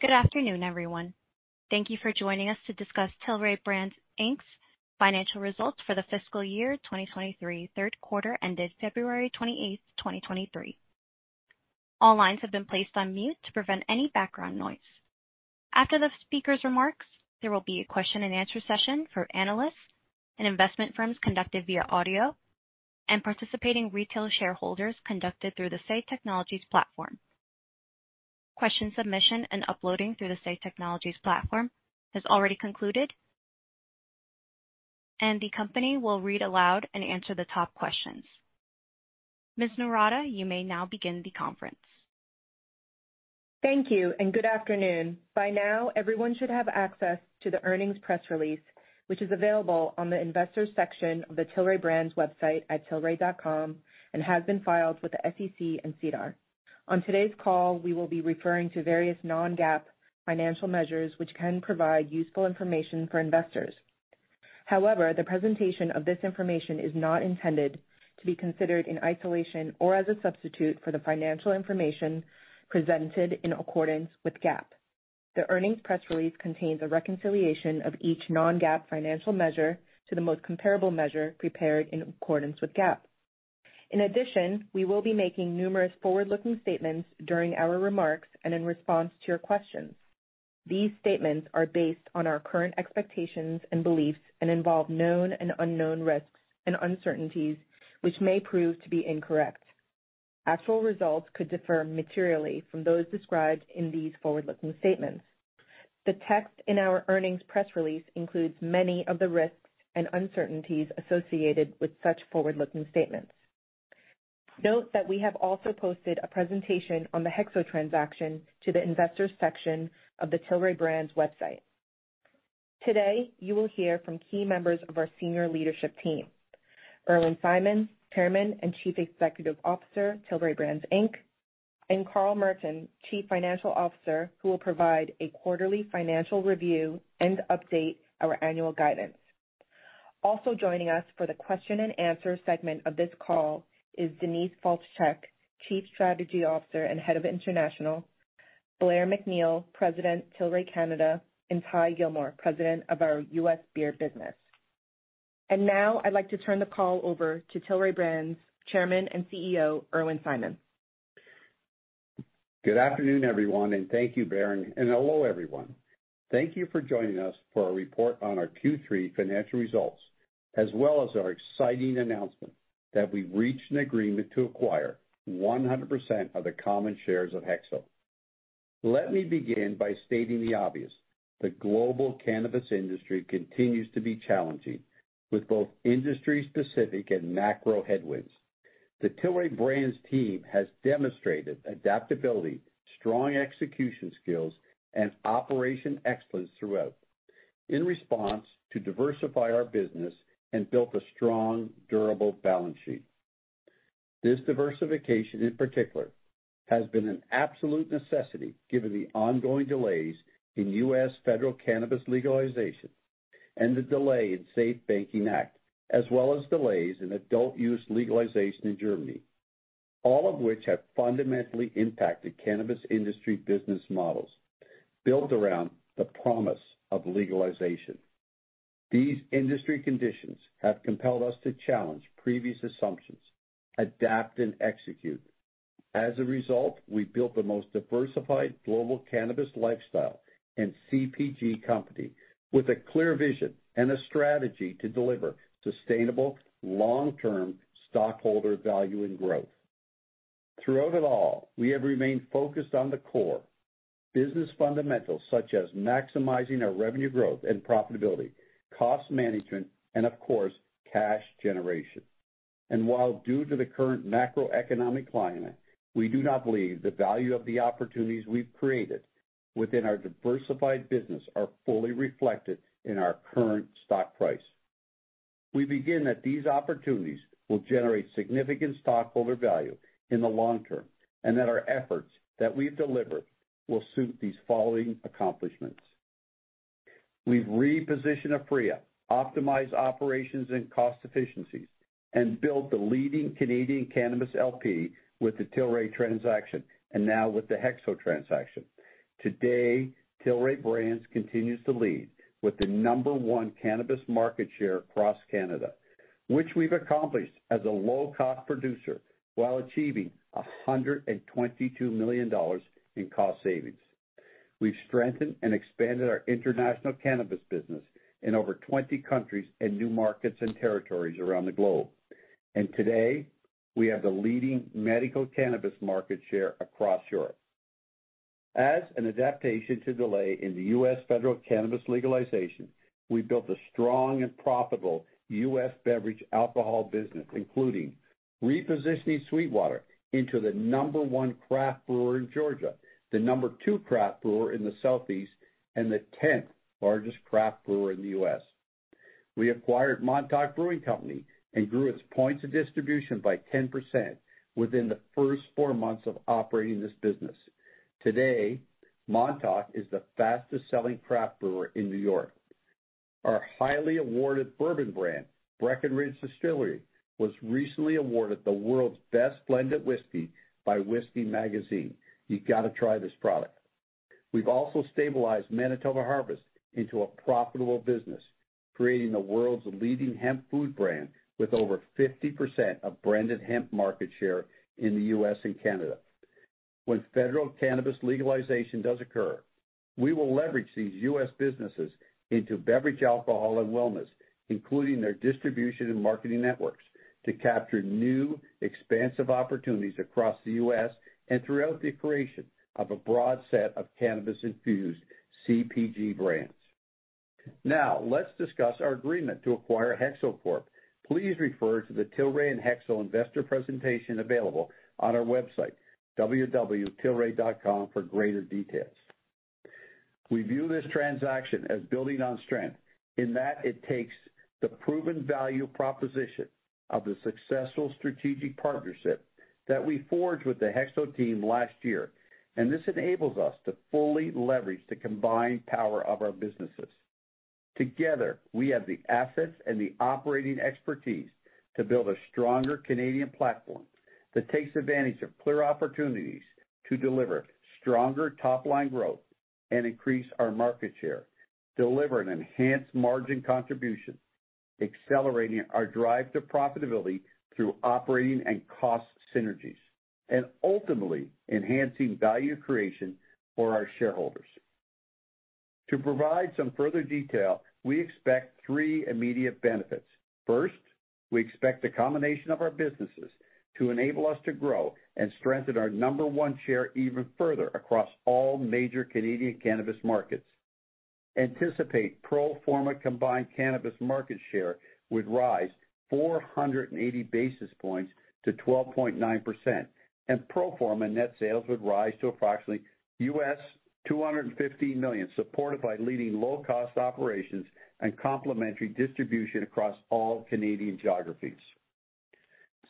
Good afternoon, everyone. Thank you for joining us to discuss Tilray Brands, Inc.'s financial results for the fiscal year 2023 third quarter ended February 28, 2023. All lines have been placed on mute to prevent any background noise. After the speaker's remarks, there will be a question-and-answer session for analysts and investment firms conducted via audio and participating retail shareholders conducted through the Say Technologies platform. Question submission and uploading through the Say Technologies platform has already concluded, and the company will read aloud and answer the top questions. Ms. Noorata, you may now begin the conference. Thank you and good afternoon. By now, everyone should have access to the earnings press release, which is available on the investors section of the Tilray Brands website at tilray.com and has been filed with the SEC and SEDAR. On today's call, we will be referring to various non-GAAP financial measures which can provide useful information for investors. However, the presentation of this information is not intended to be considered in isolation or as a substitute for the financial information presented in accordance with GAAP. The earnings press release contains a reconciliation of each non-GAAP financial measure to the most comparable measure prepared in accordance with GAAP. We will be making numerous forward-looking statements during our remarks and in response to your questions. These statements are based on our current expectations and beliefs and involve known and unknown risks and uncertainties which may prove to be incorrect. Actual results could differ materially from those described in these forward-looking statements. The text in our earnings press release includes many of the risks and uncertainties associated with such forward-looking statements. Note that we have also posted a presentation on the HEXO transaction to the investors section of the Tilray Brands website. Today, you will hear from key members of our senior leadership team Irwin Simon, Chairman and Chief Executive Officer, Tilray Brands, Inc., and Carl Merton, Chief Financial Officer, who will provide a quarterly financial review and update our annual guidance. Also joining us for the question and answer segment of this call is Denise Faltischek, Chief Strategy Officer and Head of International, Blair MacNeil, President, Tilray Canada and Ty Gilmore, President of our U.S. Beer business. Now I'd like to turn the call over to Tilray Brands Chairman and CEO, Irwin Simon. Good afternoon everyone, and thank you Berrin. Hello everyone. Thank you for joining us for a report on our Q3 financial results, as well as our exciting announcement that we've reached an agreement to acquire 100% of the common shares of HEXO. Let me begin by stating the obvious. The global cannabis industry continues to be challenging, with both industry-specific and macro headwinds. The Tilray Brands team has demonstrated adaptability, strong execution skills and operation excellence throughout in response to diversify our business and built a strong, durable balance sheet. This diversification, in particular, has been an absolute necessity given the ongoing delays in U.S. federal cannabis legalization and the delay in SAFE Banking Act, as well as delays in adult use legalization in Germany, all of which have fundamentally impacted cannabis industry business models built around the promise of legalization. These industry conditions have compelled us to challenge previous assumptions, adapt, and execute. As a result, we built the most diversified global cannabis lifestyle and CPG company with a clear vision and a strategy to deliver sustainable long-term stockholder value and growth. Throughout it all, we have remained focused on the core business fundamentals such as maximizing our revenue growth and profitability, cost management, and of course cash generation. While due to the current macroeconomic climate, we do not believe the value of the opportunities we've created within our diversified business are fully reflected in our current stock price. We begin that these opportunities will generate significant stockholder value in the long term, and that our efforts that we've delivered will suit these following accomplishments. We've repositioned Aphria, optimized operations and cost efficiencies, and built the leading Canadian cannabis LP with the Tilray transaction, and now with the HEXO transaction. Today, Tilray Brands continues to lead with the number one cannabis market share across Canada, which we've accomplished as a low-cost producer while achieving $122 million in cost savings. We've strengthened and expanded our international cannabis business in over 20 countries and new markets and territories around the globe. Today, we have the leading medical cannabis market share across Europe. As an adaptation to delay in the U.S. federal cannabis legalization, we built a strong and profitable U.S. beverage alcohol business, including repositioning SweetWater into the number one craft brewer in Georgia, the number two craft brewer in the Southeast, and the 10th largest craft brewer in the U.S. We acquired Montauk Brewing Company and grew its points of distribution by 10% within the first four months of operating this business. Today, Montauk is the fastest-selling craft brewer in New York. Our highly awarded bourbon brand, Breckenridge Distillery, was recently awarded the world's best blended whisky by Whisky Magazine. You gotta try this product. We've also stabilized Manitoba Harvest into a profitable business, creating the world's leading hemp food brand with over 50% of branded hemp market share in the U.S. and Canada. When federal cannabis legalization does occur, we will leverage these U.S. businesses into beverage, alcohol and wellness, including their distribution and marketing networks to capture new, expansive opportunities across the US and throughout the creation of a broad set of cannabis-infused CPG brands. Now, let's discuss our agreement to acquire HEXO Corp. Please refer to the Tilray and HEXO investor presentation available on our website, www.tilray.com, for greater details. We view this transaction as building on strength in that it takes the proven value proposition of the successful strategic partnership that we forged with the HEXO team last year. This enables us to fully leverage the combined power of our businesses. Together, we have the assets and the operating expertise to build a stronger Canadian platform that takes advantage of clear opportunities to deliver stronger top-line growth and increase our market share, deliver an enhanced margin contribution, accelerating our drive to profitability through operating and cost synergies, and ultimately enhancing value creation for our shareholders. To provide some further detail, we expect three immediate benefits. First, we expect the combination of our businesses to enable us to grow and strengthen our number one share even further across all major Canadian cannabis markets. Anticipate pro forma combined cannabis market share would rise 480 basis points to 12.9%. Pro forma net sales would rise to approximately $250 million, supported by leading low-cost operations and complementary distribution across all Canadian geographies.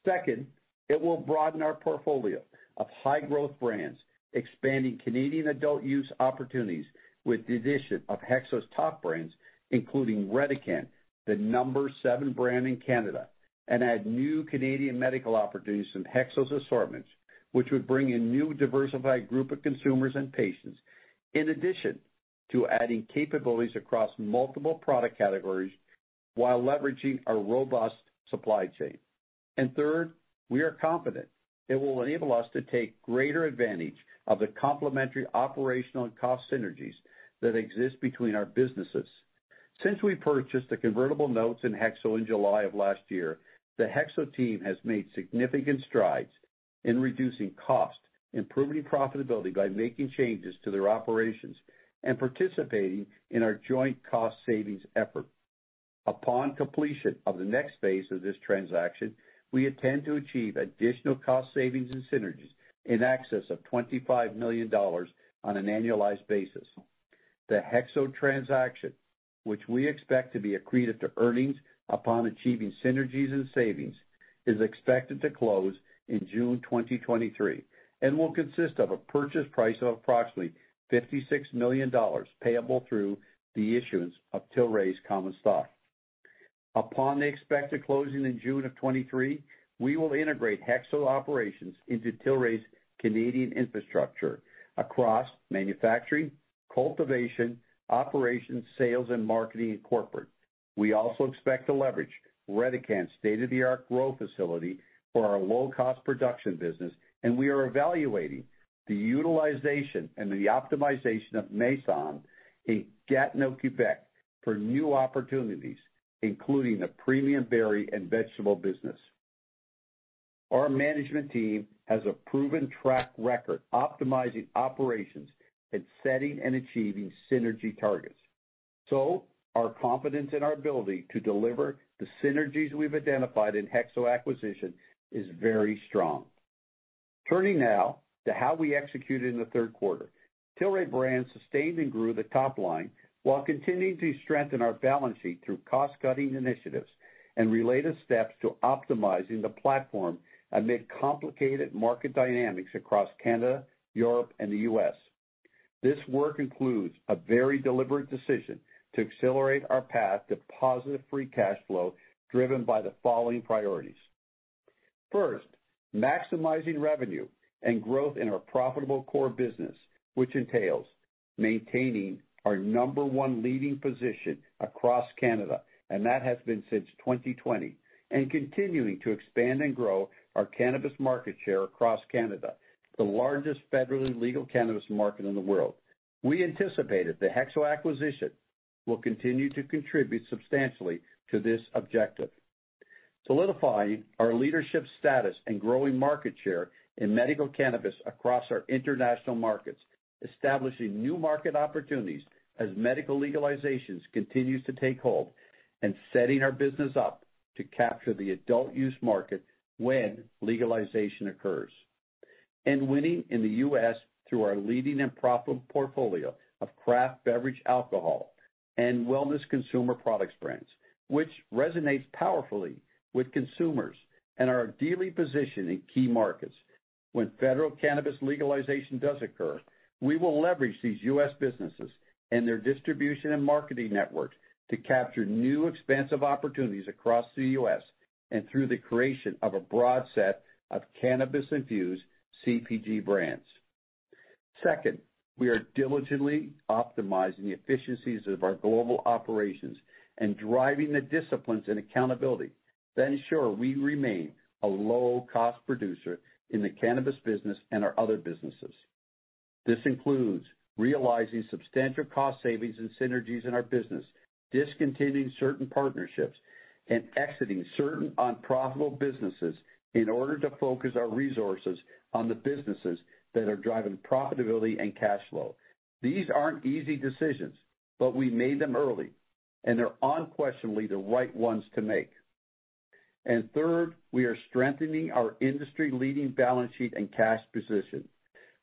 Second, it will broaden our portfolio of high-growth brands, expanding Canadian adult use opportunities with the addition of HEXO's top brands, including Redecan, the number seven brand in Canada, and add new Canadian medical opportunities from HEXO's assortments, which would bring in new diversified group of consumers and patients, in addition to adding capabilities across multiple product categories while leveraging our robust supply chain. Third, we are confident it will enable us to take greater advantage of the complementary operational and cost synergies that exist between our businesses. Since we purchased the convertible notes in HEXO in July of last year, the HEXO team has made significant strides in reducing cost, improving profitability by making changes to their operations, and participating in our joint cost savings effort. Upon completion of the next phase of this transaction, we intend to achieve additional cost savings and synergies in excess of $25 million on an annualized basis. The HEXO transaction, which we expect to be accretive to earnings upon achieving synergies and savings is expected to close in June 2023 and will consist of a purchase price of approximately $56 million payable through the issuance of Tilray's common stock. Upon the expected closing in June of 2023, we will integrate HEXO operations into Tilray's Canadian infrastructure across manufacturing, cultivation, operations, sales and marketing, and corporate. We also expect to leverage Redecan's state-of-the-art grow facility for our low-cost production business, and we are evaluating the utilization and the optimization of Masson-Angers in Gatineau, Quebec, for new opportunities, including the premium berry and vegetable business. Our management team has a proven track record optimizing operations and setting and achieving synergy targets. Our confidence in our ability to deliver the synergies we've identified in HEXO acquisition is very strong. Turning now to how we executed in the third quarter. Tilray brand sustained and grew the top line while continuing to strengthen our balance sheet through cost-cutting initiatives and related steps to optimizing the platform amid complicated market dynamics across Canada, Europe, and the U.S. This work includes a very deliberate decision to accelerate our path to positive free cash flow driven by the following priorities. First, maximizing revenue and growth in our profitable core business, which entails maintaining our number one leading position across Canada, and that has been since 2020, and continuing to expand and grow our cannabis market share across Canada, the largest federally legal cannabis market in the world. We anticipated the HEXO acquisition will continue to contribute substantially to this objective. Solidifying our leadership status and growing market share in medical cannabis across our international markets, establishing new market opportunities as medical legalizations continues to take hold, and setting our business up to capture the adult use market when legalization occurs. Winning in the U.S. through our leading and profitable portfolio of craft beverage, alcohol, and wellness consumer products brands, which resonates powerfully with consumers and are ideally positioned in key markets. When federal cannabis legalization does occur, we will leverage these U.S. businesses and their distribution and marketing network to capture new expansive opportunities across the U.S. and through the creation of a broad set of cannabis-infused CPG brands. Second, we are diligently optimizing the efficiencies of our global operations and driving the disciplines and accountability that ensure we remain a low-cost producer in the cannabis business and our other businesses. This includes realizing substantial cost savings and synergies in our business, discontinuing certain partnerships, and exiting certain unprofitable businesses in order to focus our resources on the businesses that are driving profitability and cash flow. These aren't easy decisions, but we made them early and they're unquestionably the right ones to make. Third, we are strengthening our industry-leading balance sheet and cash position,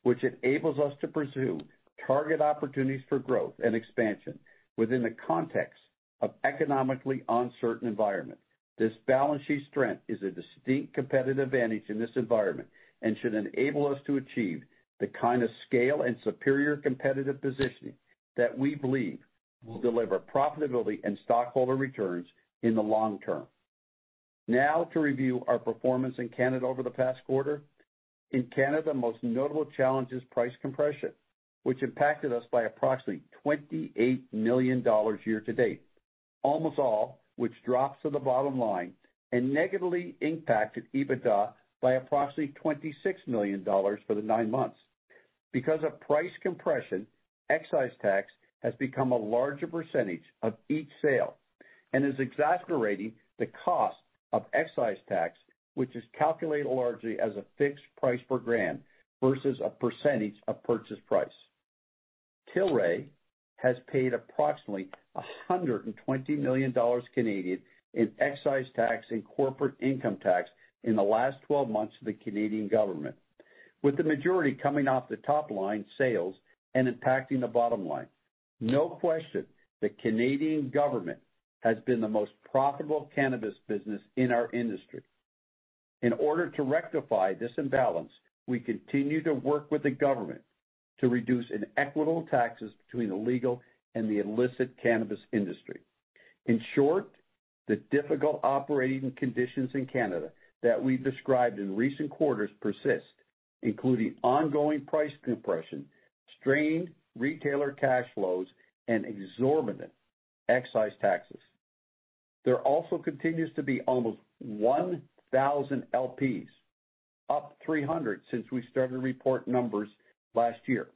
which enables us to pursue target opportunities for growth and expansion within the context of economically uncertain environment. This balance sheet strength is a distinct competitive advantage in this environment and should enable us to achieve the kind of scale and superior competitive positioning that we believe will deliver profitability and stockholder returns in the long term. Now to review our performance in Canada over the past quarter. In Canada, the most notable challenge is price compression, which impacted us by approximately $28 million year to date, almost all which drops to the bottom line and negatively impacted EBITDA by approximately $26 million for the 9 months. Because of price compression, excise tax has become a larger percentage of each sale and is exacerbating the cost of excise tax, which is calculated largely as a fixed price per gram versus a percentage of purchase price. Tilray has paid approximately 120 million Canadian dollars in excise tax and corporate income tax in the last 12 months to the Canadian government, with the majority coming off the top line sales and impacting the bottom line. No question, the Canadian government has been the most profitable cannabis business in our industry. In order to rectify this imbalance, we continue to work with the government to reduce inequitable taxes between the legal and the illicit cannabis industry. In short, the difficult operating conditions in Canada that we've described in recent quarters persist, including ongoing price compression, strained retailer cash flows, and exorbitant excise taxes. There also continues to be almost 1,000 LPs, up 300 since we started to report numbers last year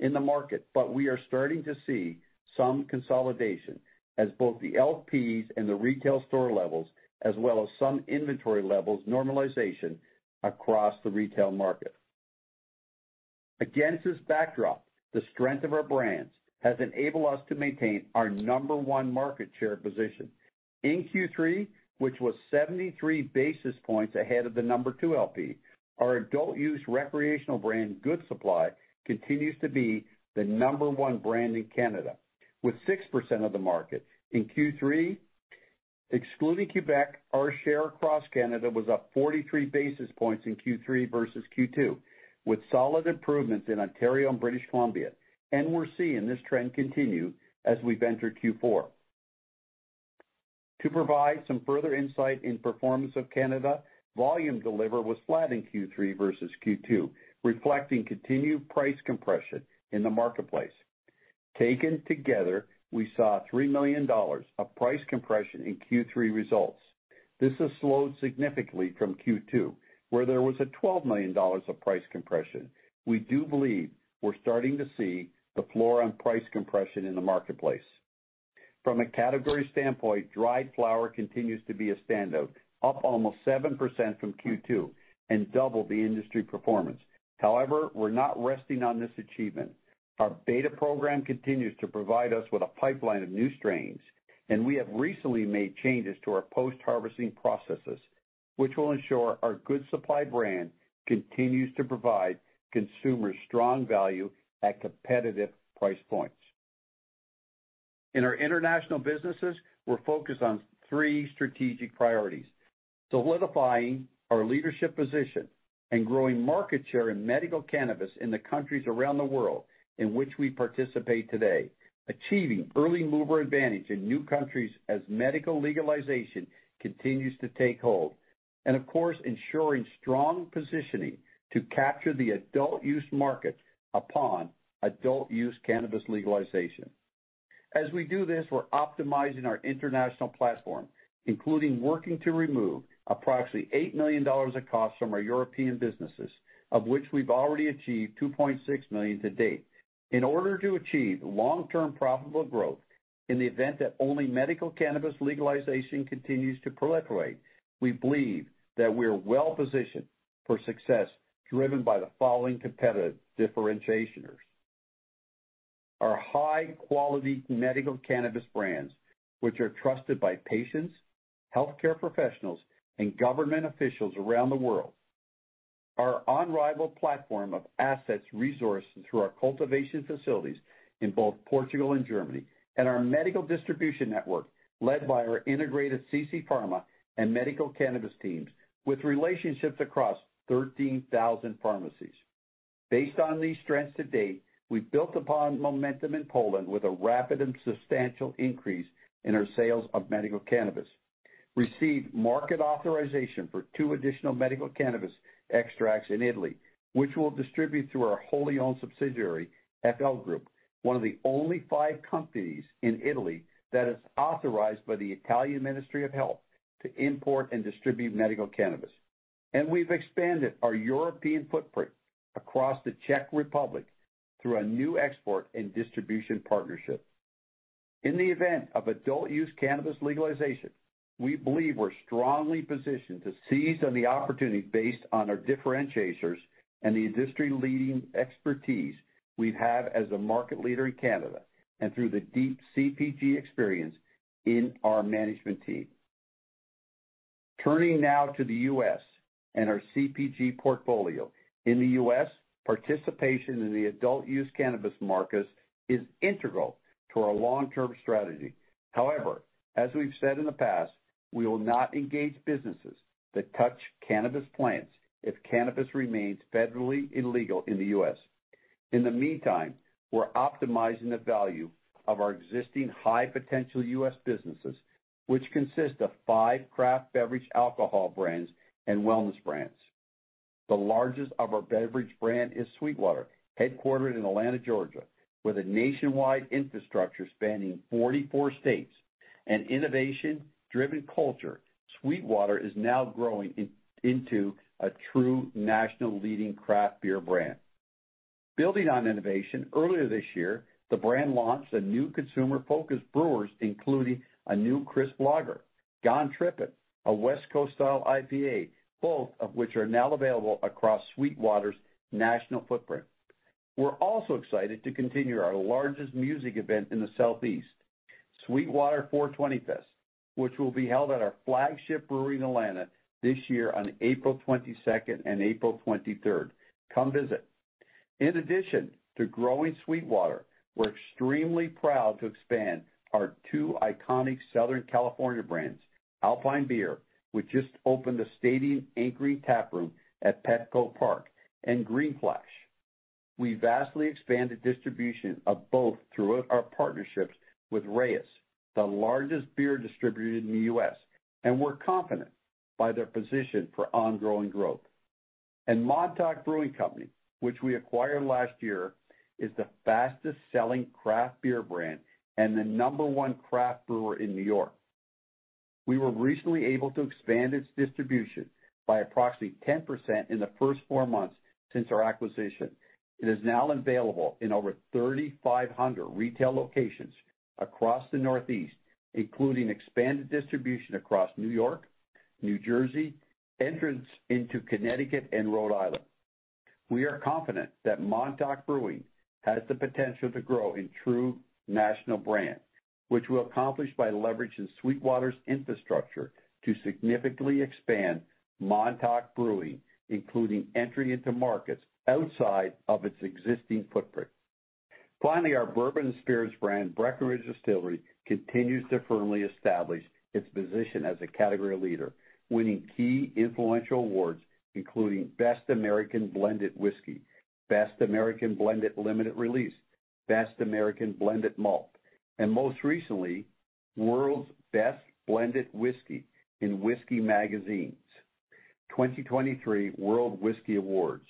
in the market, but we are starting to see some consolidation as both the LPs and the retail store levels as well as some inventory levels normalization across the retail market. Against this backdrop, the strength of our brands has enabled us to maintain our number onmarket share position. In Q3, which was 73 basis points ahead of the number two LP, our adult use recreational brand, Good Supply, continues to be the number 1 brand in Canada with 6% of the market. In Q3, excluding Quebec, our share across Canada was up 43 basis points in Q3 versus Q2, with solid improvements in Ontario and British Columbia. We're seeing this trend continue as we've entered Q4. To provide some further insight in performance of Canada, volume deliver was flat in Q3 versus Q2, reflecting continued price compression in the marketplace. Taken together, we saw $3 million of price compression in Q3 results. This has slowed significantly from Q2, where there was a $12 million of price compression. We do believe we're starting to see the floor on price compression in the marketplace. From a category standpoint, dried flower continues to be a standout, up almost 7% from Q2, and double the industry performance. However, we're not resting on this achievement. Our beta program continues to provide us with a pipeline of new strains, and we have recently made changes to our post-harvesting processes, which will ensure our Good Supply brand continues to provide consumers strong value at competitive price points. In our international businesses, we're focused on three strategic priorities: solidifying our leadership position and growing market share in medical cannabis in the countries around the world in which we participate today, achieving early mover advantage in new countries as medical legalization continues to take hold, and of course, ensuring strong positioning to capture the adult-use market upon adult-use cannabis legalization. As we do this, we're optimizing our international platform, including working to remove approximately $8 million of cost from our European businesses, of which we've already achieved $2.6 million to date. In order to achieve long-term profitable growth in the event that only medical cannabis legalization continues to proliferate, we believe that we are well-positioned for success driven by the following competitive differentiations. Our high-quality medical cannabis brands, which are trusted by patients, healthcare professionals, and government officials around the world. Our unrivaled platform of assets resourced through our cultivation facilities in both Portugal and Germany, and our medical distribution network led by our integrated CC Pharma and medical cannabis teams with relationships across 13,000 pharmacies. Based on these strengths to date, we've built upon momentum in Poland with a rapid and substantial increase in our sales of medical cannabis. Received market authorization for two additional medical cannabis extracts in Italy, which we'll distribute through our wholly-owned subsidiary, FL Group, one of the only five companies in Italy that is authorized by the Italian Ministry of Health to import and distribute medical cannabis. We've expanded our European footprint across the Czech Republic through a new export and distribution partnership. In the event of adult-use cannabis legalization, we believe we're strongly positioned to seize on the opportunity based on our differentiators and the industry-leading expertise we've had as a market leader in Canada and through the deep CPG experience in our management team. Turning now to the U.S. and our CPG portfolio. In the U.S., participation in the adult-use cannabis markets is integral to our long-term strategy. However, as we've said in the past, we will not engage businesses that touch cannabis plants if cannabis remains federally illegal in the U.S. In the meantime, we're optimizing the value of our existing high-potential U.S. businesses, which consist of five craft beverage alcohol brands and wellness brands. The largest of our beverage brand is SweetWater, headquartered in Atlanta, Georgia. With a nationwide infrastructure spanning 44 states and innovation-driven culture, SweetWater is now growing into a true national leading craft beer brand. Building on innovation, earlier this year, the brand launched a new consumer-focused brewers, including a new crisp lager, Gone Trippin', a West Coast Style IPA, both of which are now available across SweetWater's national footprint. We're also excited to continue our largest music event in the Southeast, SweetWater 420 Fest, which will be held at our flagship brewery in Atlanta this year on April 22nd and April 23rd. Come visit. In addition to growing SweetWater, we're extremely proud to expand our two iconic Southern California brands, Alpine Beer, which just opened a stadium anchoring tap room at Petco Park, and Green Flash. We vastly expanded distribution of both through our partnerships with Reyes, the largest beer distributor in the U.S. We're confident by their position for ongoing growth. Montauk Brewing Company, which we acquired last year, is the fastest-selling craft beer brand and the number one craft brewer in New York. We were recently able to expand its distribution by approximately 10% in the first four months since our acquisition. It is now available in over 3,500 retail locations across the Northeast, including expanded distribution across New York, New Jersey, entrance into Connecticut and Rhode Island. We are confident that Montauk Brewing has the potential to grow in true national brand, which we'll accomplish by leveraging SweetWater's infrastructure to significantly expand Montauk Brewing, including entry into markets outside of its existing footprint. Our bourbon spirits brand, Breckenridge Distillery, continues to firmly establish its position as a category leader, winning key influential awards, including Best American Blended Whiskey, Best American Blended Limited Release, Best American Blended Malt, and most recently, World's Best Blended Whiskey in Whisky Magazine's 2023 World Whiskies Awards.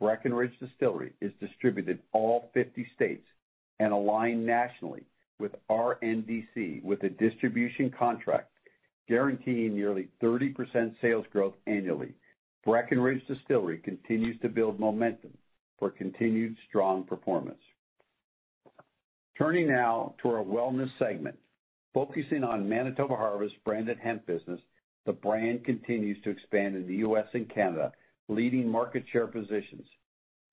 Breckenridge Distillery is distributed all 50 states and aligned nationally with RNDC, with a distribution contract guaranteeing nearly 30% sales growth annually. Breckenridge Distillery continues to build momentum for continued strong performance. Turning now to our wellness segment, focusing on Manitoba Harvest branded hemp business. The brand continues to expand in the U.S. and Canada, leading market share positions,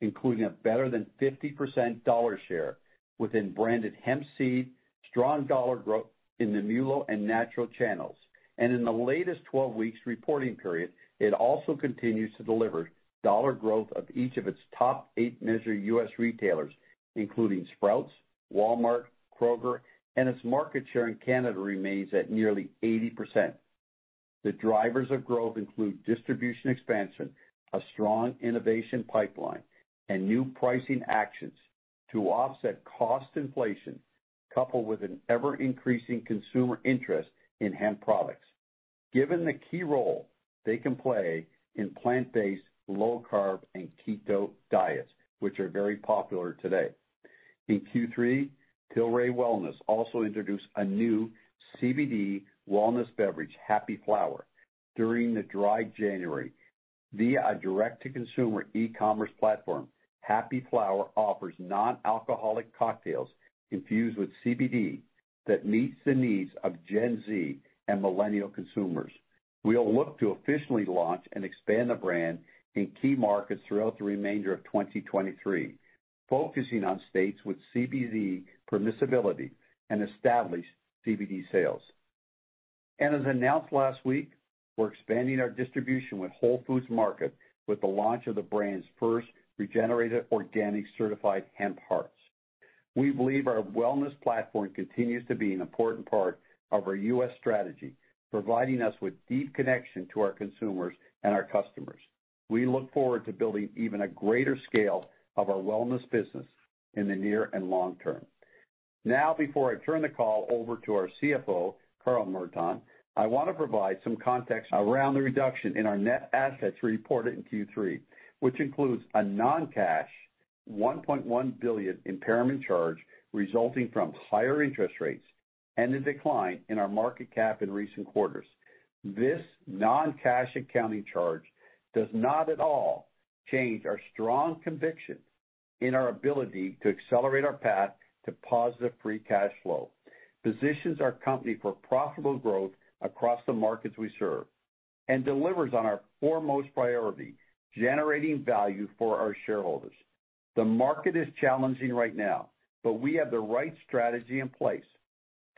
including a better than 50% dollar share within branded hemp seed, strong dollar growth in the MULO and natural channels. In the latest 12 weeks reporting period, it also continues to deliver dollar growth of each of its top eight measured U.S. retailers, including Sprouts, Walmart, Kroger, and its market share in Canada remains at nearly 80%. The drivers of growth include distribution expansion, a strong innovation pipeline, and new pricing actions to offset cost inflation, coupled with an ever-increasing consumer interest in hemp products. Given the key role they can play in plant-based, low-carb and keto diets, which are very popular today. In Q3, Tilray Wellness also introduced a new CBD wellness beverage, Happy Flower, during the dry January via a direct-to-consumer e-commerce platform. Happy Flower offers non-alcoholic cocktails infused with CBD that meets the needs of Gen Z and millennial consumers. We'll look to officially launch and expand the brand in key markets throughout the remainder of 2023, focusing on states with CBD permissibility and established CBD sales. As announced last week, we're expanding our distribution with Whole Foods Market with the launch of the brand's first regenerated organic certified hemp hearts. We believe our wellness platform continues to be an important part of our US strategy, providing us with deep connection to our consumers and our customers. We look forward to building even a greater scale of our wellness business in the near and long term. Before I turn the call over to our CFO, Carl Merton, I wanna provide some context around the reduction in our net assets reported in Q3, which includes a non-cash $1.1 billion impairment charge resulting from higher interest rates and the decline in our market cap in recent quarters. This non-cash accounting charge does not at all change our strong conviction in our ability to accelerate our path to positive free cash flow, positions our company for profitable growth across the markets we serve, and delivers on our foremost priority, generating value for our shareholders. The market is challenging right now, but we have the right strategy in place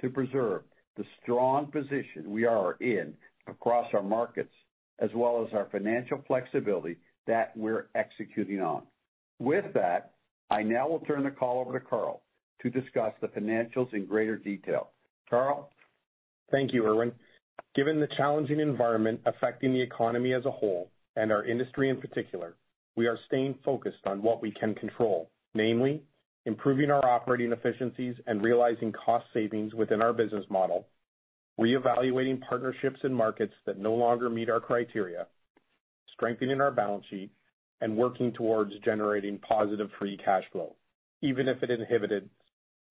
to preserve the strong position we are in across our markets as well as our financial flexibility that we're executing on. With that, I now will turn the call over to Carl to discuss the financials in greater detail. Carl. Thank you, Irwin. Given the challenging environment affecting the economy as a whole, and our industry in particular, we are staying focused on what we can control, namely improving our operating efficiencies and realizing cost savings within our business model, reevaluating partnerships in markets that no longer meet our criteria, strengthening our balance sheet, and working towards generating positive free cash flow, even if it inhibited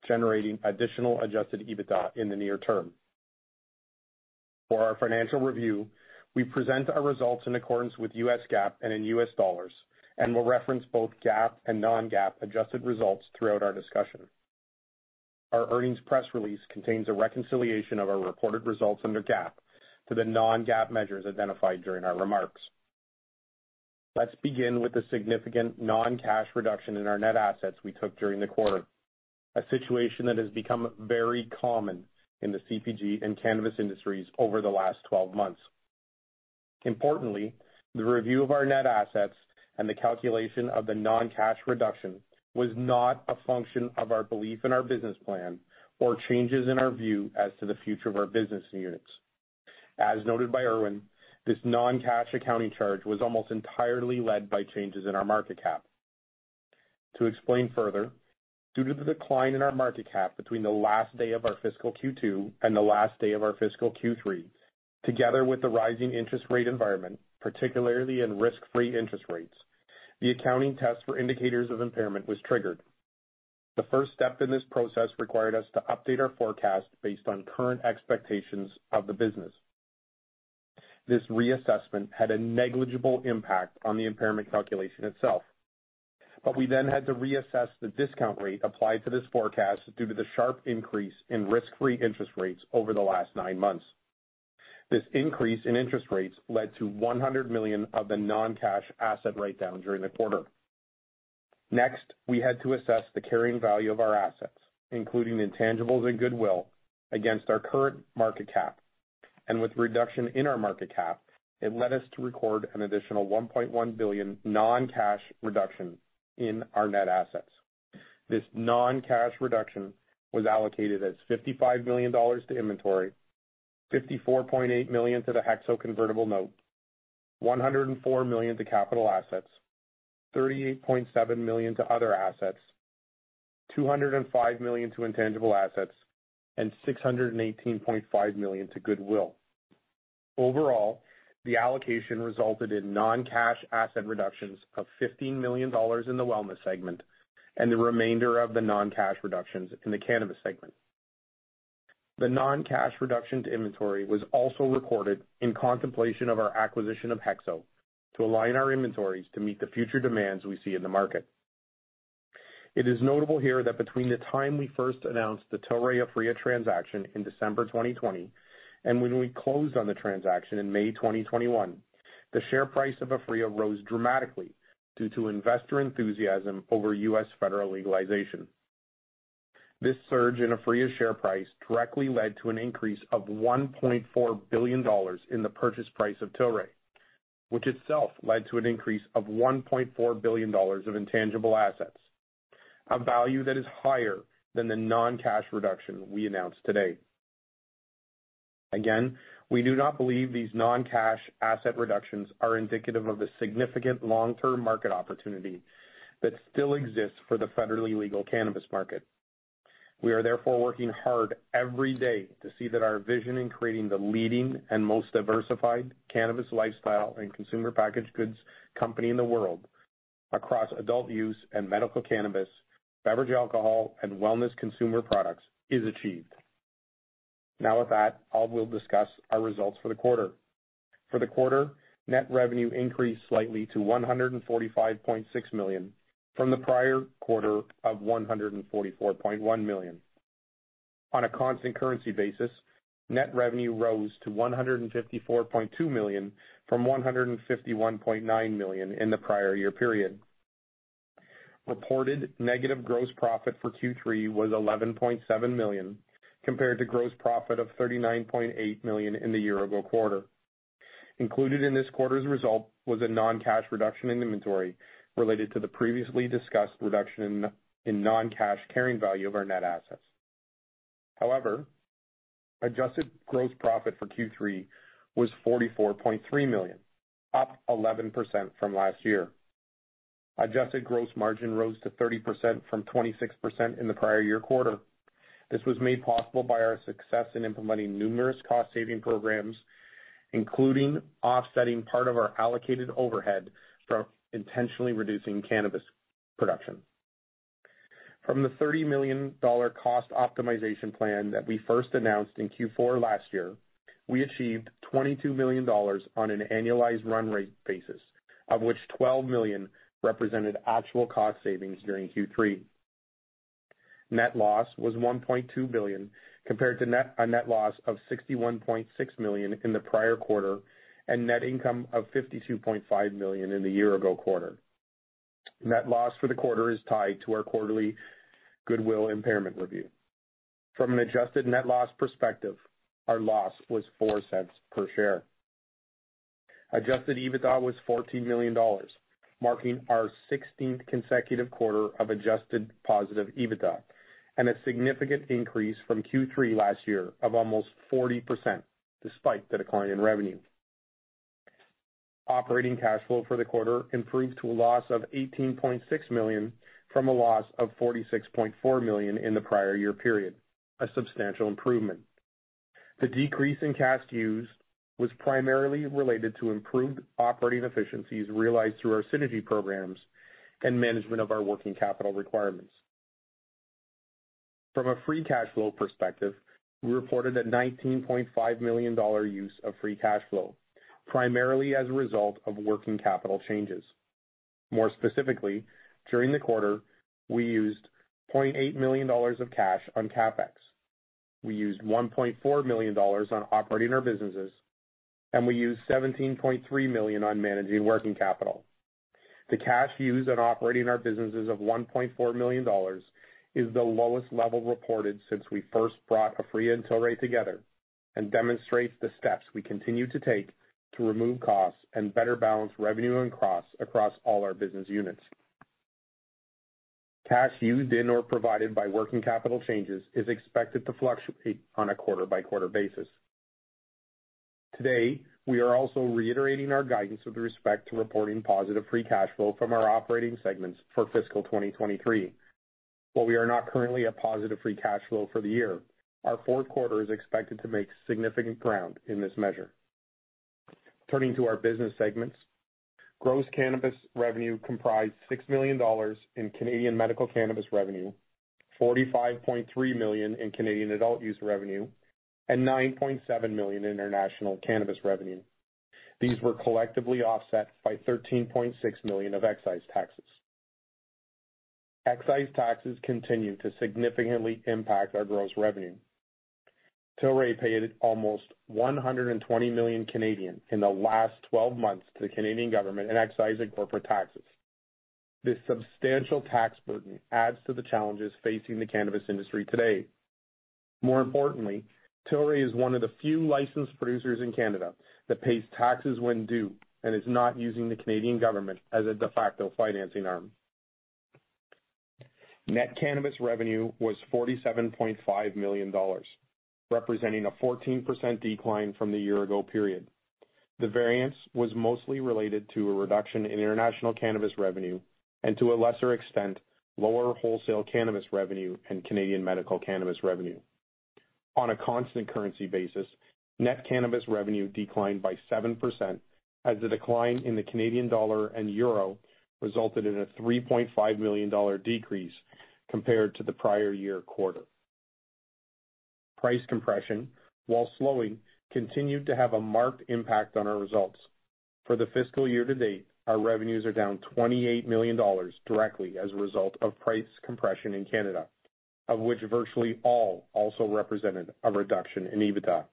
generating additional adjusted EBITDA in the near term. For our financial review, we present our results in accordance with U.S. GAAP and in U.S. dollars, and will reference both GAAP and non-GAAP adjusted results throughout our discussion. Our earnings press release contains a reconciliation of our reported results under GAAP to the non-GAAP measures identified during our remarks. Let's begin with the significant non-cash reduction in our net assets we took during the quarter, a situation that has become very common in the CPG and cannabis industries over the last 12 months. Importantly, the review of our net assets and the calculation of the non-cash reduction was not a function of our belief in our business plan or changes in our view as to the future of our business units. As noted by Irwin, this non-cash accounting charge was almost entirely led by changes in our market cap. To explain further, due to the decline in our market cap between the last day of our fiscal Q2 and the last day of our fiscal Q3, together with the rising interest rate environment, particularly in risk-free interest rates, the accounting test for indicators of impairment was triggered. The first step in this process required us to update our forecast based on current expectations of the business. This reassessment had a negligible impact on the impairment calculation itself. We then had to reassess the discount rate applied to this forecast due to the sharp increase in risk-free interest rates over the last nine months. This increase in interest rates led to $100 million of the non-cash asset write-down during the quarter. Next, we had to assess the carrying value of our assets, including intangibles and goodwill, against our current market cap. With reduction in our market cap, it led us to record an additional $1.1 billion non-cash reduction in our net assets. This non-cash reduction was allocated as $55 million to inventory, $54.8 million to the HEXO convertible note, $104 million to capital assets, $38.7 million to other assets, $205 million to intangible assets, and $618.5 million to goodwill. Overall, the allocation resulted in non-cash asset reductions of $15 million in the wellness segment and the remainder of the non-cash reductions in the cannabis segment. The non-cash reduction to inventory was also recorded in contemplation of our acquisition of HEXO to align our inventories to meet the future demands we see in the market. It is notable here that between the time we first announced the Tilray Aphria transaction in December 2020 and when we closed on the transaction in May 2021, the share price of Aphria rose dramatically due to investor enthusiasm over U.S. federal legalization. This surge in Aphria's share price directly led to an increase of $1.4 billion in the purchase price of Tilray, which itself led to an increase of $1.4 billion of intangible assets, a value that is higher than the non-cash reduction we announced today. We do not believe these non-cash asset reductions are indicative of the significant long-term market opportunity that still exists for the federally legal cannabis market. We are working hard every day to see that our vision in creating the leading and most diversified cannabis lifestyle and consumer packaged goods company in the world across adult use and medical cannabis, beverage alcohol, and wellness consumer products is achieved. With that, I will discuss our results for the quarter. For the quarter, net revenue increased slightly to $145.6 million from the prior quarter of $144.1 million. On a constant currency basis, net revenue rose to $154.2 million from $151.9 million in the prior year period. Reported negative gross profit for Q3 was $11.7 million, compared to gross profit of $39.8 million in the year-ago quarter. Included in this quarter's result was a non-cash reduction in inventory related to the previously discussed reduction in non-cash carrying value of our net assets. Adjusted gross profit for Q3 was $44.3 million, up 11% from last year. Adjusted gross margin rose to 30% from 26% in the prior year quarter. This was made possible by our success in implementing numerous cost-saving programs, including offsetting part of our allocated overhead from intentionally reducing cannabis production. From the $30 million cost optimization plan that we first announced in Q4 last year, we achieved $22 million on an annualized run rate basis, of which $12 million represented actual cost savings during Q3. Net loss was $1.2 billion, compared to a net loss of $61.6 million in the prior quarter and net income of $52.5 million in the year-ago quarter. Net loss for the quarter is tied to our quarterly goodwill impairment review. From an adjusted net loss perspective, our loss was $0.04 per share. Adjusted EBITDA was $14 million, marking our 16th consecutive quarter of adjusted positive EBITDA and a significant increase from Q3 last year of almost 40% despite the decline in revenue. Operating cash flow for the quarter improved to a loss of $18.6 million from a loss of $46.4 million in the prior-year period, a substantial improvement. The decrease in cash used was primarily related to improved operating efficiencies realized through our synergy programs and management of our working capital requirements. From a free cash flow perspective, we reported a $19.5 million use of free cash flow, primarily as a result of working capital changes. More specifically, during the quarter, we used $0.8 million of cash on CapEx. We used $1.4 million on operating our businesses, and we used $17.3 million on managing working capital. The cash used on operating our businesses of $1.4 million is the lowest level reported since we first brought Aphria and Tilray together and demonstrates the steps we continue to take to remove costs and better balance revenue and costs across all our business units. Cash used in or provided by working capital changes is expected to fluctuate on a quarter-by-quarter basis. Today, we are also reiterating our guidance with respect to reporting positive free cash flow from our operating segments for fiscal 2023. While we are not currently at positive free cash flow for the year, our fourth quarter is expected to make significant ground in this measure. Turning to our business segments. Gross cannabis revenue comprised 6 million dollars in Canadian medical cannabis revenue, 45.3 million in Canadian adult use revenue, and 9.7 million international cannabis revenue. These were collectively offset by 13.6 million of excise taxes. Excise taxes continue to significantly impact our gross revenue. Tilray paid almost 120 million in the last 12 months to the Canadian government in excise and corporate taxes. This substantial tax burden adds to the challenges facing the cannabis industry today. More importantly, Tilray is one of the few licensed producers in Canada that pays taxes when due and is not using the Canadian government as a de facto financing arm. Net cannabis revenue was $47.5 million, representing a 14% decline from the year ago period. The variance was mostly related to a reduction in international cannabis revenue and, to a lesser extent, lower wholesale cannabis revenue and Canadian medical cannabis revenue. On a constant currency basis, net cannabis revenue declined by 7% as the decline in the Canadian dollar and euro resulted in a $3.5 million decrease compared to the prior year quarter. Price compression, while slowing, continued to have a marked impact on our results. For the fiscal year to date, our revenues are down $28 million directly as a result of price compression in Canada of which virtually all also represented a reduction in EBITDA.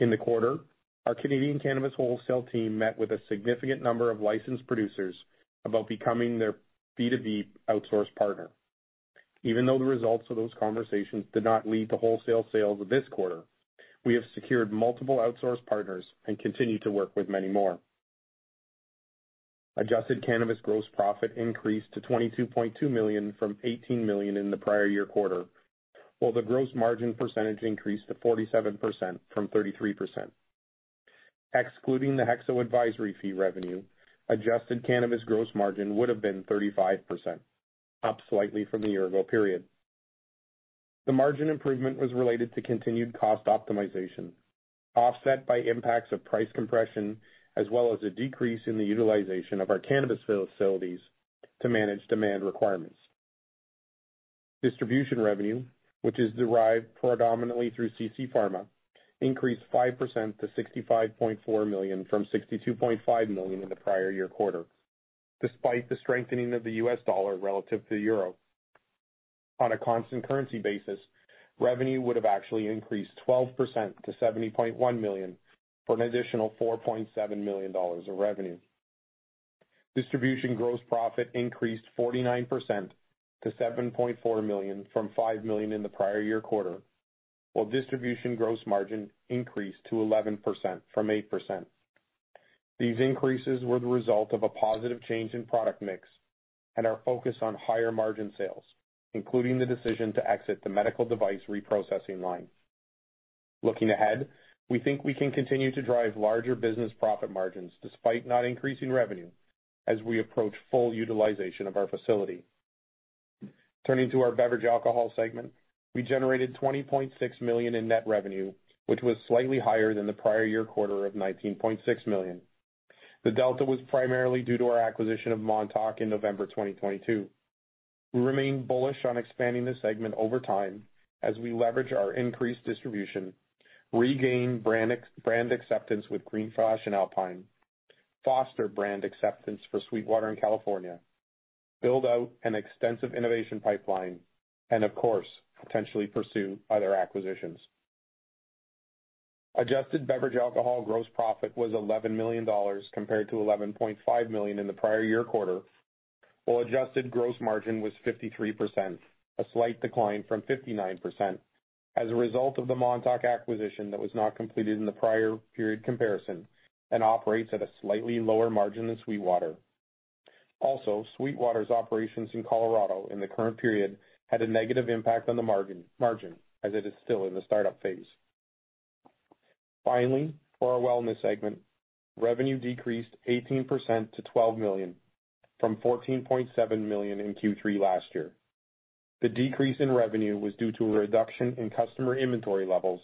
In the quarter, our Canadian cannabis wholesale team met with a significant number of licensed producers about becoming their B2B outsource partner. Even though the results of those conversations did not lead to wholesale sales this quarter, we have secured multiple outsource partners and continue to work with many more. Adjusted cannabis gross profit increased to $22.2 million from $18 million in the prior year quarter, while the gross margin percentage increased to 47% from 33%. Excluding the HEXO advisory fee revenue, adjusted cannabis gross margin would have been 35%, up slightly from the year ago period. The margin improvement was related to continued cost optimization, offset by impacts of price compression as well as a decrease in the utilization of our cannabis facilities to manage demand requirements. Distribution revenue, which is derived predominantly through CC Pharma, increased 5% to $65.4 million from $62.5 million in the prior year quarter, despite the strengthening of the US dollar relative to the euro. On a constant currency basis, revenue would have actually increased 12% to $70.1 million for an additional $4.7 million of revenue. Distribution gross profit increased 49% to $7.4 million from $5 million in the prior year quarter, while distribution gross margin increased to 11% from 8%. These increases were the result of a positive change in product mix and our focus on higher margin sales, including the decision to exit the medical device reprocessing line. Looking ahead, we think we can continue to drive larger business profit margins despite not increasing revenue as we approach full utilization of our facility. Turning to our beverage alcohol segment. We generated $20.6 million in net revenue, which was slightly higher than the prior year quarter of $19.6 million. The delta was primarily due to our acquisition of Montauk in November 2022. We remain bullish on expanding this segment over time as we leverage our increased distribution, regain brand acceptance with Green Flash and Alpine, foster brand acceptance for SweetWater in California, build out an extensive innovation pipeline and of course, potentially pursue other acquisitions. Adjusted beverage alcohol gross profit was $11 million compared to $11.5 million in the prior year quarter, while adjusted gross margin was 53%, a slight decline from 59% as a result of the Montauk acquisition that was not completed in the prior period comparison and operates at a slightly lower margin than Sweetwater. Also, Sweetwater's operations in Colorado in the current period had a negative impact on the margin as it is still in the start-up phase. Finally, for our wellness segment, revenue decreased 18% to $12 million from $14.7 million in Q3 last year. The decrease in revenue was due to a reduction in customer inventory levels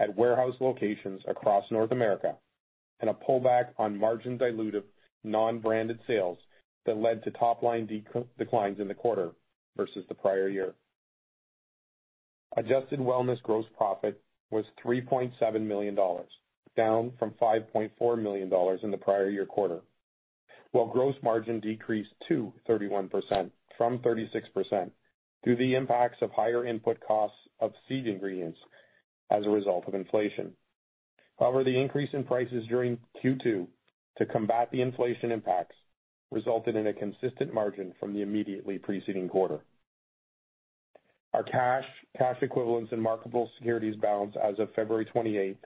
at warehouse locations across North America and a pullback on margin-dilutive non-branded sales that led to top line declines in the quarter versus the prior year. Adjusted wellness gross profit was $3.7 million, down from $5.4 million in the prior year quarter. Gross margin decreased to 31% from 36% due the impacts of higher input costs of seed ingredients as a result of inflation. The increase in prices during Q2 to combat the inflation impacts resulted in a consistent margin from the immediately preceding quarter. Our cash equivalents, and marketable securities balance as of February 28